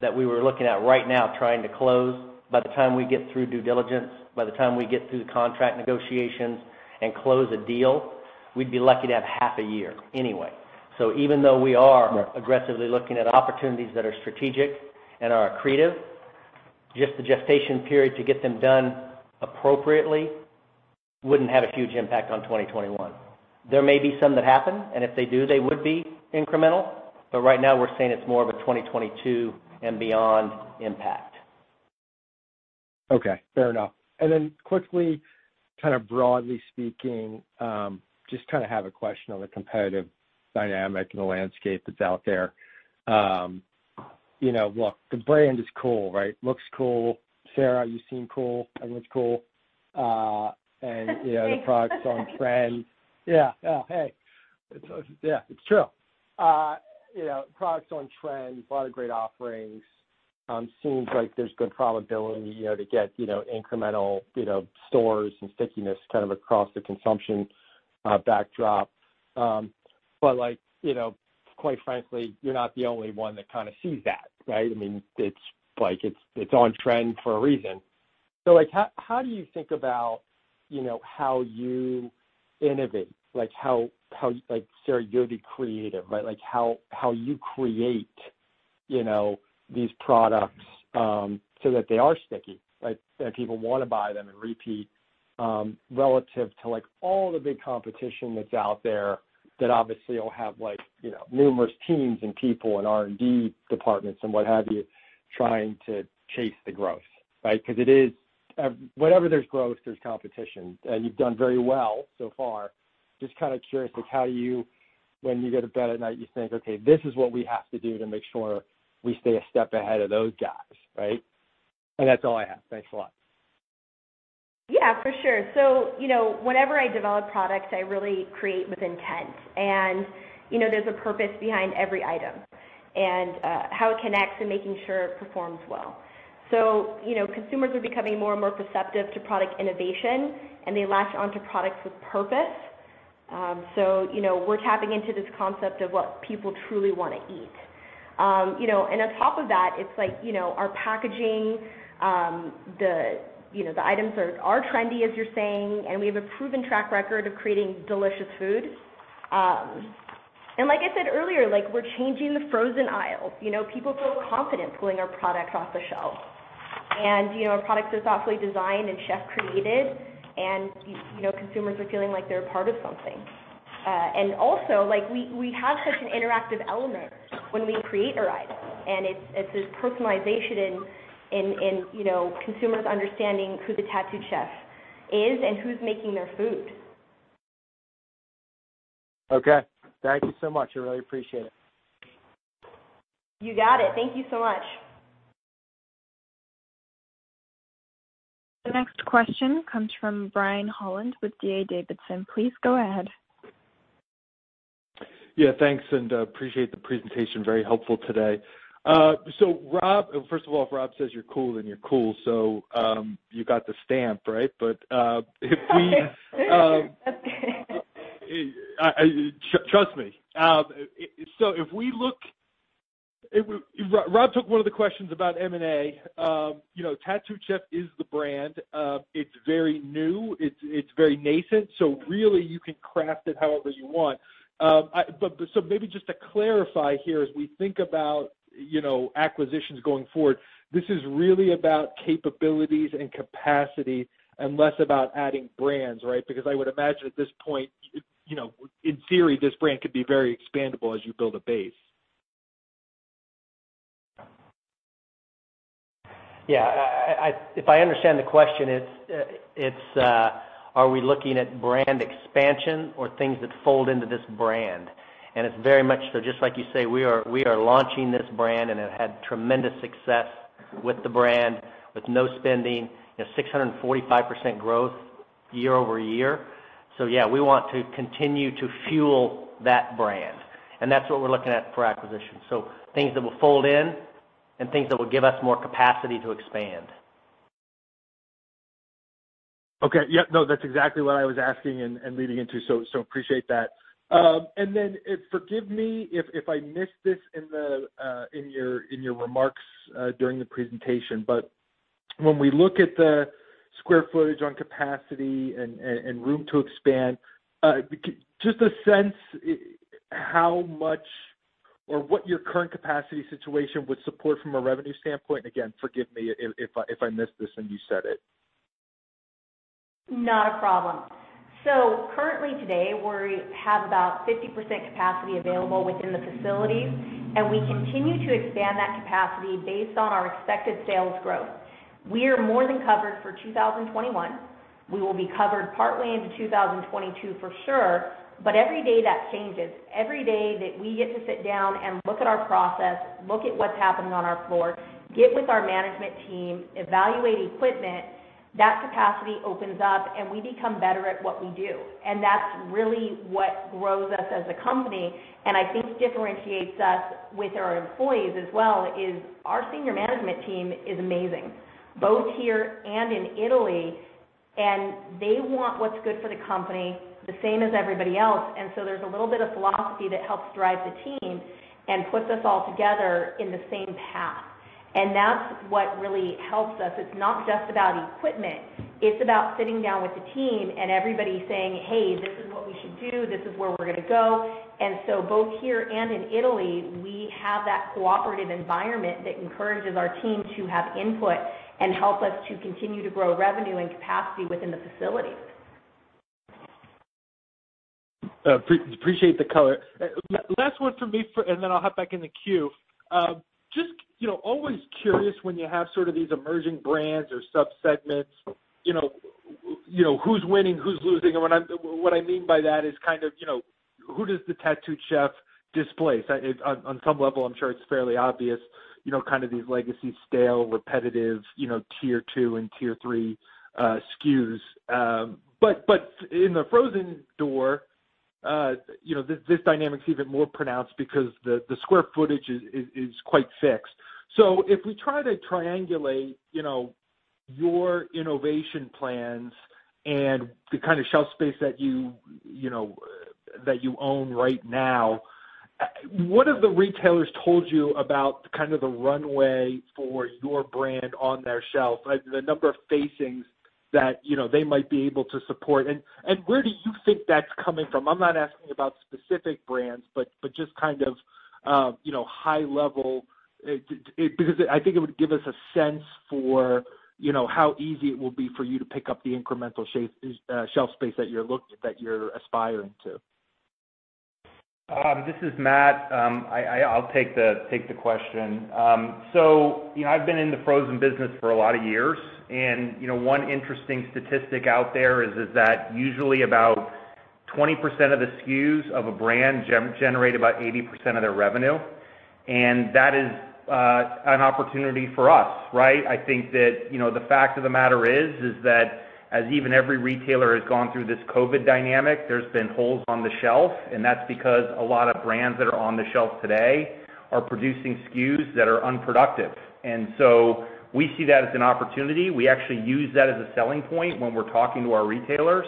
that we were looking at right now trying to close, by the time we get through due diligence, by the time we get through the contract negotiations and close a deal, we'd be lucky to have half a year anyway. Even though we are aggressively looking at opportunities that are strategic and are accretive, just the gestation period to get them done appropriately wouldn't have a huge impact on 2021. There may be some that happen, and if they do, they would be incremental. right now, we're saying it's more of a 2022 and beyond impact. Okay. Fair enough. Quickly, kind of broadly speaking, I just have a question on the competitive dynamic and the landscape that's out there. Look, the brand is cool, right? Looks cool. Sarah, you seem cool and look cool. Thanks. The product's on trend. Yeah. Hey. Yeah. It's true. Products on trend, a lot of great offerings. Seems like there's good probability to get incremental stores and stickiness across the consumption backdrop. Quite frankly, you're not the only one that sees that, right? It's on trend for a reason. How do you think about how you innovate? Like Sarah, you're the creative, right? How you create these products so that they are sticky, that people want to buy them and repeat relative to all the big competition that's out there that obviously all have numerous teams and people and R&D departments and what have you, trying to chase the growth. Right? Because wherever there's growth, there's competition. You've done very well so far. Just curious, when you go to bed at night, you think, "Okay, this is what we have to do to make sure we stay a step ahead of those guys," right? that's all I have. Thanks a lot. Yeah, for sure. Whenever I develop products, I really create with intent. There's a purpose behind every item, and how it connects and making sure it performs well. Consumers are becoming more and more perceptive to product innovation, and they latch onto products with purpose. We're tapping into this concept of what people truly want to eat. On top of that, our packaging, the items are trendy, as you're saying, and we have a proven track record of creating delicious food. Like I said earlier, we're changing the frozen aisle. People feel confident pulling our product off the shelf. Our products are softly designed and chef created, and consumers are feeling like they're a part of something. Also, we have such an interactive element when we create our items, and it's this personalization in consumers understanding who the Tattooed Chef is and who's making their food. Okay. Thank you so much. I really appreciate it. You got it. Thank you so much. The next question comes from Brian Holland with D.A. Davidson. Please go ahead. Yeah, thanks, and appreciate the presentation. Very helpful today. Rob, first of all, if Rob says you're cool, then you're cool. You got the stamp, right? Okay. Trust me. Rob took one of the questions about M&A. Tattooed Chef is the brand. It's very new, it's very nascent, so really you can craft it however you want. Maybe just to clarify here, as we think about acquisitions going forward, this is really about capabilities and capacity and less about adding brands, right? Because I would imagine at this point, in theory, this brand could be very expandable as you build a base. Yeah. If I understand the question, it's are we looking at brand expansion or things that fold into this brand? It's very much so, just like you say, we are launching this brand, and it had tremendous success with the brand with no spending a 645% growth year-over-year? Yeah, we want to continue to fuel that brand, and that's what we're looking at for acquisition. Things that will fold in and things that will give us more capacity to expand. Okay. Yeah, no, that's exactly what I was asking and leading into, so appreciate that. Forgive me if I missed this in your remarks during the presentation, but when we look at the square footage on capacity and room to expand, just a sense how much or what your current capacity situation would support from a revenue standpoint. Again, forgive me if I missed this and you said it. Not a problem. currently today, we have about 50% capacity available within the facilities, and we continue to expand that capacity based on our expected sales growth. We are more than covered for 2021. We will be covered partway into 2022 for sure, but every day that changes, every day that we get to sit down and look at our process, look at what's happening on our floor, get with our management team, evaluate equipment, that capacity opens up, and we become better at what we do. That's really what grows us as a company, and I think differentiates us with our employees as well, is our senior management team is amazing, both here and in Italy, and they want what's good for the company the same as everybody else. There's a little bit of philosophy that helps drive the team and puts us all together in the same path. That's what really helps us. It's not just about equipment. It's about sitting down with the team and everybody saying, "Hey, this is what we should do. This is where we're going to go." Both here and in Italy, we have that cooperative environment that encourages our team to have input and help us to continue to grow revenue and capacity within the facility. Appreciate the color. Last one from me, and then I'll hop back in the queue. Just always curious when you have sort of these emerging brands or sub-segments, who's winning, who's losing? What I mean by that is who does the Tattooed Chef displace? On some level, I'm sure it's fairly obvious, kind of these legacy, stale, repetitive tier 2 and tier 3 SKUs. In the frozen door, this dynamic's even more pronounced because the square footage is quite fixed. If we try to triangulate your innovation plans and the kind of shelf space that you own right now, what have the retailers told you about kind of the runway for your brand on their shelf, the number of facings that they might be able to support? Where do you think that's coming from? I'm not asking about specific brands, but just kind of high level, because I think it would give us a sense for how easy it will be for you to pick up the incremental shelf space that you're aspiring to. This is Matt. I'll take the question. I've been in the frozen business for a lot of years, and one interesting statistic out there is that usually about 20% of the SKUs of a brand generate about 80% of their revenue, and that is an opportunity for us, right? I think that the fact of the matter is that as even every retailer has gone through this COVID dynamic, there's been holes on the shelf, and that's because a lot of brands that are on the shelf today are producing SKUs that are unproductive. We see that as an opportunity. We actually use that as a selling point when we're talking to our retailers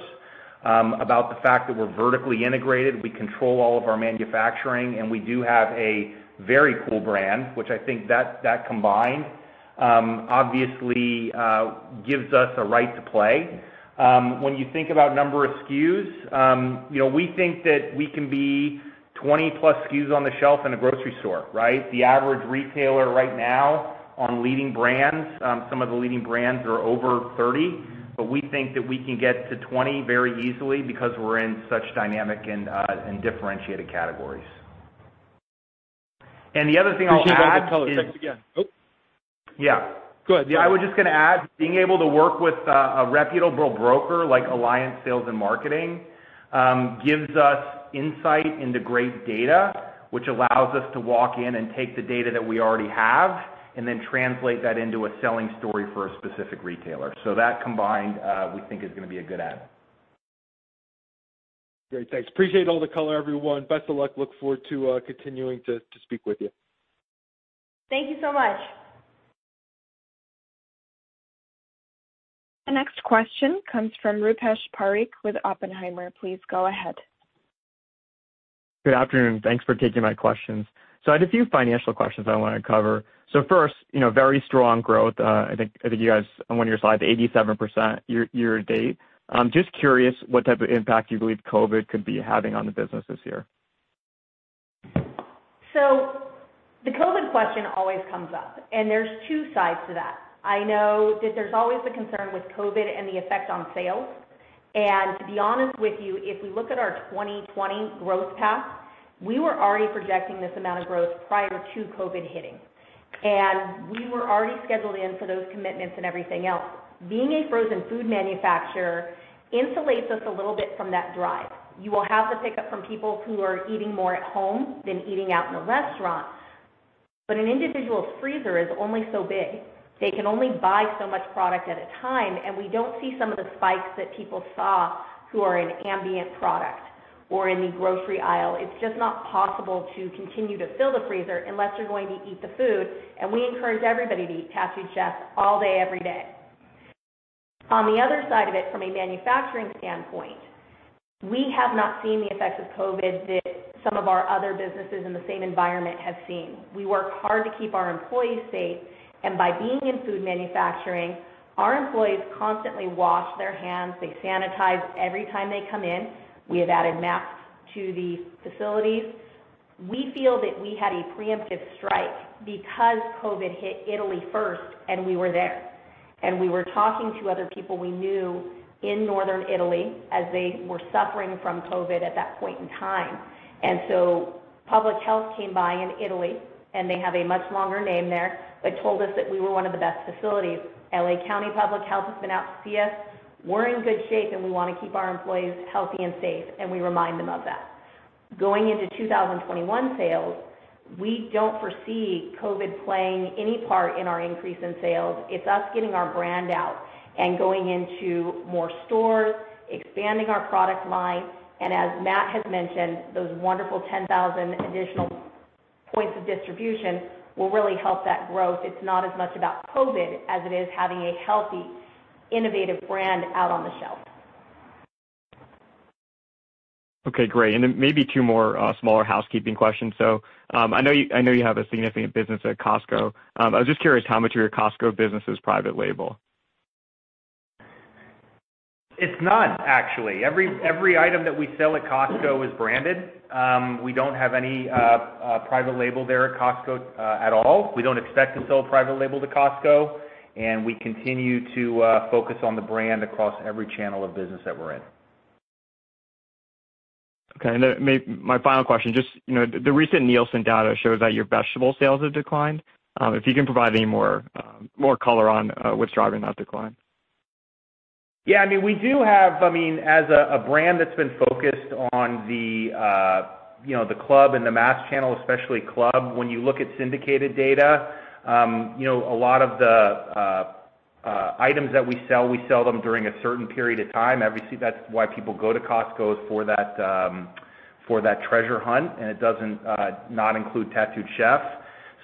about the fact that we're vertically integrated, we control all of our manufacturing, and we do have a very cool brand, which I think that combined obviously gives us a right to play. When you think about number of SKUs, we think that we can be 20+ SKUs on the shelf in a grocery store, right? The average retailer right now on leading brands, some of the leading brands are over 30, but we think that we can get to 20 very easily because we're in such dynamic and differentiated categories. The other thing I would add is- Appreciate all the color. Thanks again. Oh. Yeah. Go ahead. Yeah, I was just going to add, being able to work with a reputable broker like Alliance Sales and Marketing gives us insight into great data, which allows us to walk in and take the data that we already have and then translate that into a selling story for a specific retailer. That combined, we think is going to be a good add. Great. Thanks. Appreciate all the color, everyone. Best of luck. Look forward to continuing to speak with you. Thank you so much. The next question comes from Rupesh Parikh with Oppenheimer. Please go ahead. Good afternoon. Thanks for taking my questions. I had a few financial questions I want to cover. First, very strong growth. I think you guys, on one of your slides, 87% year to date. Just curious what type of impact you believe COVID could be having on the business this year. The COVID question always comes up, and there's two sides to that. I know that there's always the concern with COVID and the effect on sales. To be honest with you, if we look at our 2020 growth path, we were already projecting this amount of growth prior to COVID hitting. We were already scheduled in for those commitments and everything else. Being a frozen food manufacturer insulates us a little bit from that drive. You will have the pickup from people who are eating more at home than eating out in a restaurant, but an individual freezer is only so big. They can only buy so much product at a time, and we don't see some of the spikes that people saw who are an ambient product or in the grocery aisle. It's just not possible to continue to fill the freezer unless you're going to eat the food. We encourage everybody to eat Tattooed Chef all day, every day. On the other side of it, from a manufacturing standpoint, we have not seen the effects of COVID that some of our other businesses in the same environment have seen. We work hard to keep our employees safe, and by being in food manufacturing, our employees constantly wash their hands. They sanitize every time they come in. We have added masks to the facilities. We feel that we had a preemptive strike because COVID hit Italy first, and we were there. We were talking to other people we knew in northern Italy as they were suffering from COVID at that point in time. Public health came by in Italy, and they have a much longer name there, but told us that we were one of the best facilities. L.A. County Public Health has been out to see us. We're in good shape, and we want to keep our employees healthy and safe, and we remind them of that. Going into 2021 sales, we don't foresee COVID playing any part in our increase in sales. It's us getting our brand out and going into more stores, expanding our product line. As Matt has mentioned, those wonderful 10,000 additional points of distribution will really help that growth. It's not as much about COVID as it is having a healthy, innovative brand out on the shelf. Okay, great. Maybe two more smaller housekeeping questions. I know you have a significant business at Costco. I was just curious how much of your Costco business is private label. It's none, actually. Every item that we sell at Costco is branded. We don't have any private label there at Costco at all. We don't expect to sell private label to Costco, and we continue to focus on the brand across every channel of business that we're in. Okay. My final question, just the recent Nielsen data shows that your vegetable sales have declined. If you can provide any more color on what's driving that decline? Yeah, we do have, as a brand that's been focused on the club and the mass channel, especially club. When you look at syndicated data, a lot of the items that we sell, we sell them during a certain period of time. That's why people go to Costco is for that treasure hunt, and it doesn't not include Tattooed Chef.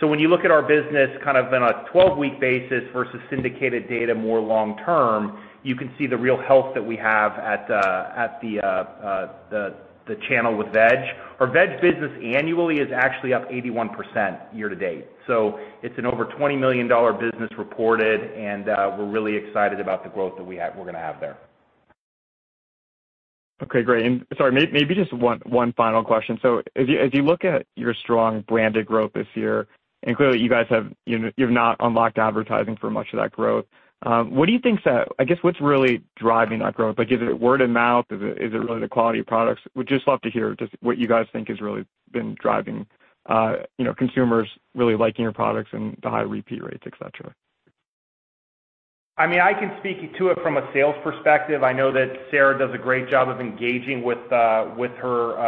When you look at our business kind of on a 12-week basis versus syndicated data more long term, you can see the real health that we have at the channel with veg. Our veg business annually is actually up 81% year to date. it's an over $20 million business reported, and we're really excited about the growth that we're gonna have there. Okay, great. Sorry, maybe just one final question. As you look at your strong branded growth this year, and clearly you guys have, you've not unlocked advertising for much of that growth. What do you think is, I guess, what's really driving that growth? Is it word of mouth? Is it really the quality of products? Would just love to hear just what you guys think has really been driving consumers really liking your products and the high repeat rates, et cetera. I can speak to it from a sales perspective. I know that Sarah does a great job of engaging with her,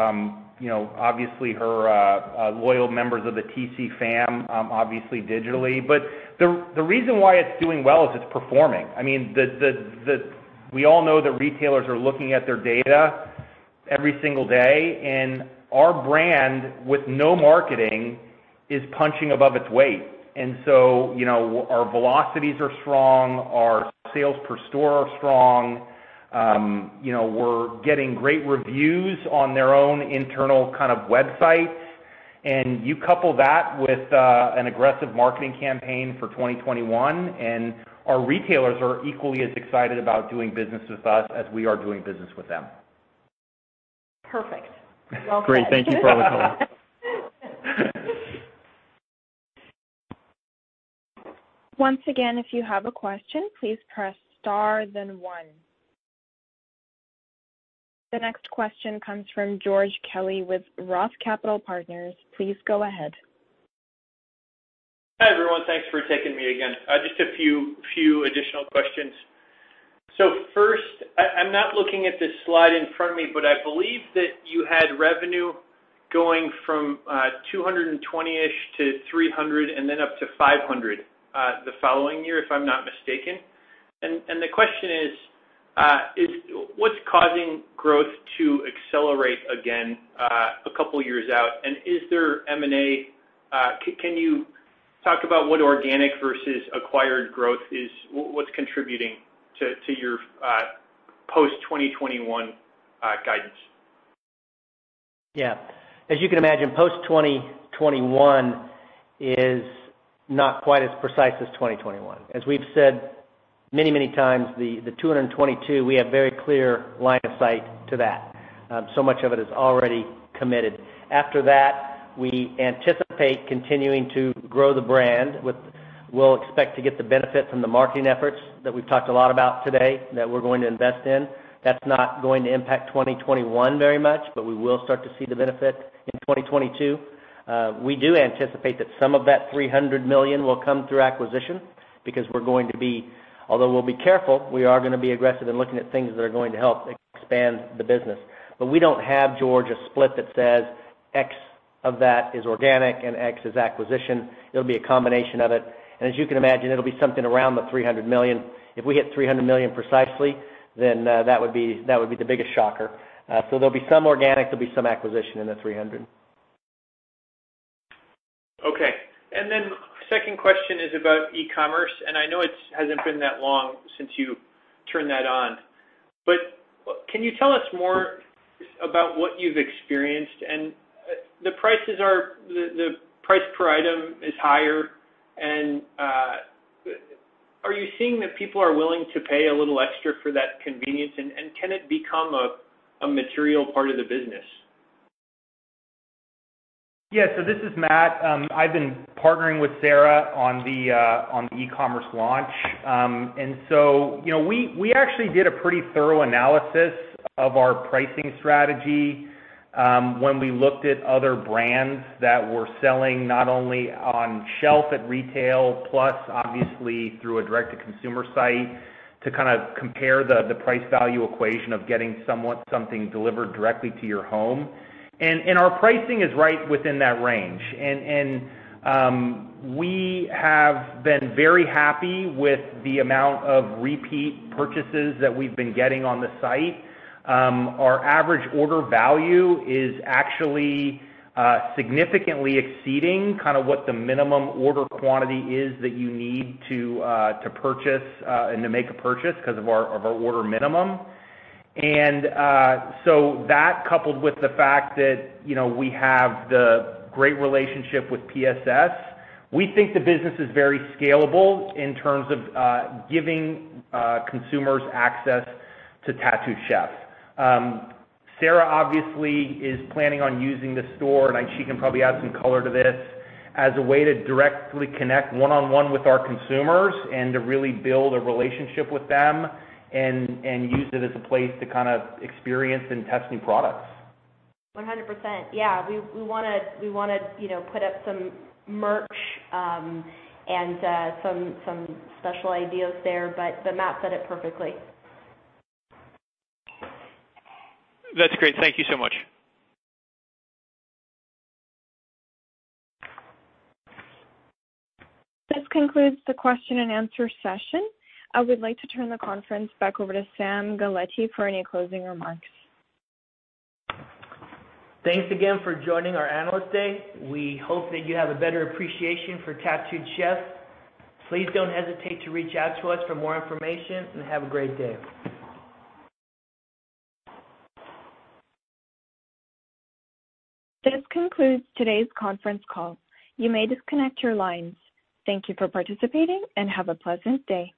obviously her loyal members of the TC fam, obviously digitally. The reason why it's doing well is it's performing. We all know that retailers are looking at their data every single day, and our brand, with no marketing, is punching above its weight. Our velocities are strong, our sales per store are strong. We're getting great reviews on their own internal kind of websites. You couple that with an aggressive marketing campaign for 2021, and our retailers are equally as excited about doing business with us as we are doing business with them. Perfect. Well said. Great. Thank you for all the color. Once again, if you have a question, please press star then one. The next question comes from George Kelly with Roth Capital Partners. Please go ahead. Hi, everyone. Thanks for taking me again. Just a few additional questions. First, I'm not looking at the slide in front of me, but I believe that you had revenue going from $220-ish million-$300 million, and then up to $500 million the following year, if I'm not mistaken. The question is, what's causing growth to accelerate again a couple years out? Is there M&A? Can you talk about what organic versus acquired growth is? What's contributing to your post-2021 guidance? Yeah. As you can imagine, post-2021 is not quite as precise as 2021. As we've said many times, the $222 million, we have very clear line of sight to that. Much of it is already committed. After that, we anticipate continuing to grow the brand. We'll expect to get the benefit from the marketing efforts that we've talked a lot about today that we're going to invest in. That's not going to impact 2021 very much, but we will start to see the benefit in 2022. We do anticipate that some of that $300 million will come through acquisition because we're going to be, although we'll be careful, we are going to be aggressive in looking at things that are going to help expand the business. We don't have, George, a split that says X of that is organic and X is acquisition. It'll be a combination of it. As you can imagine, it'll be something around the $300 million. If we hit $300 million precisely, then that would be the biggest shocker. there'll be some organic, there'll be some acquisition in the $300 million. Okay. second question is about e-commerce, and I know it hasn't been that long since you turned that on. Can you tell us more about what you've experienced? The price per item is higher and are you seeing that people are willing to pay a little extra for that convenience? Can it become a material part of the business? Yeah. This is Matt. I've been partnering with Sarah on the e-commerce launch. We actually did a pretty thorough analysis of our pricing strategy when we looked at other brands that were selling not only on shelf at retail, plus obviously through a direct-to-consumer site to compare the price value equation of getting something delivered directly to your home. Our pricing is right within that range. We have been very happy with the amount of repeat purchases that we've been getting on the site. Our average order value is actually significantly exceeding what the minimum order quantity is that you need to make a purchase because of our order minimum. That coupled with the fact that we have the great relationship with PSS, we think the business is very scalable in terms of giving consumers access to Tattooed Chef. Sarah obviously is planning on using the store, and she can probably add some color to this, as a way to directly connect one-on-one with our consumers and to really build a relationship with them and use it as a place to experience and test new products. 100%. Yeah. We want to put up some merch and some special ideas there, but Matt said it perfectly. That's great. Thank you so much. This concludes the question and answer session. I would like to turn the conference back over to Sam Galletti for any closing remarks. Thanks again for joining our Analyst Day. We hope that you have a better appreciation for Tattooed Chef. Please don't hesitate to reach out to us for more information, and have a great day. This concludes today's conference call. You may disconnect your lines. Thank you for participating, and have a pleasant day.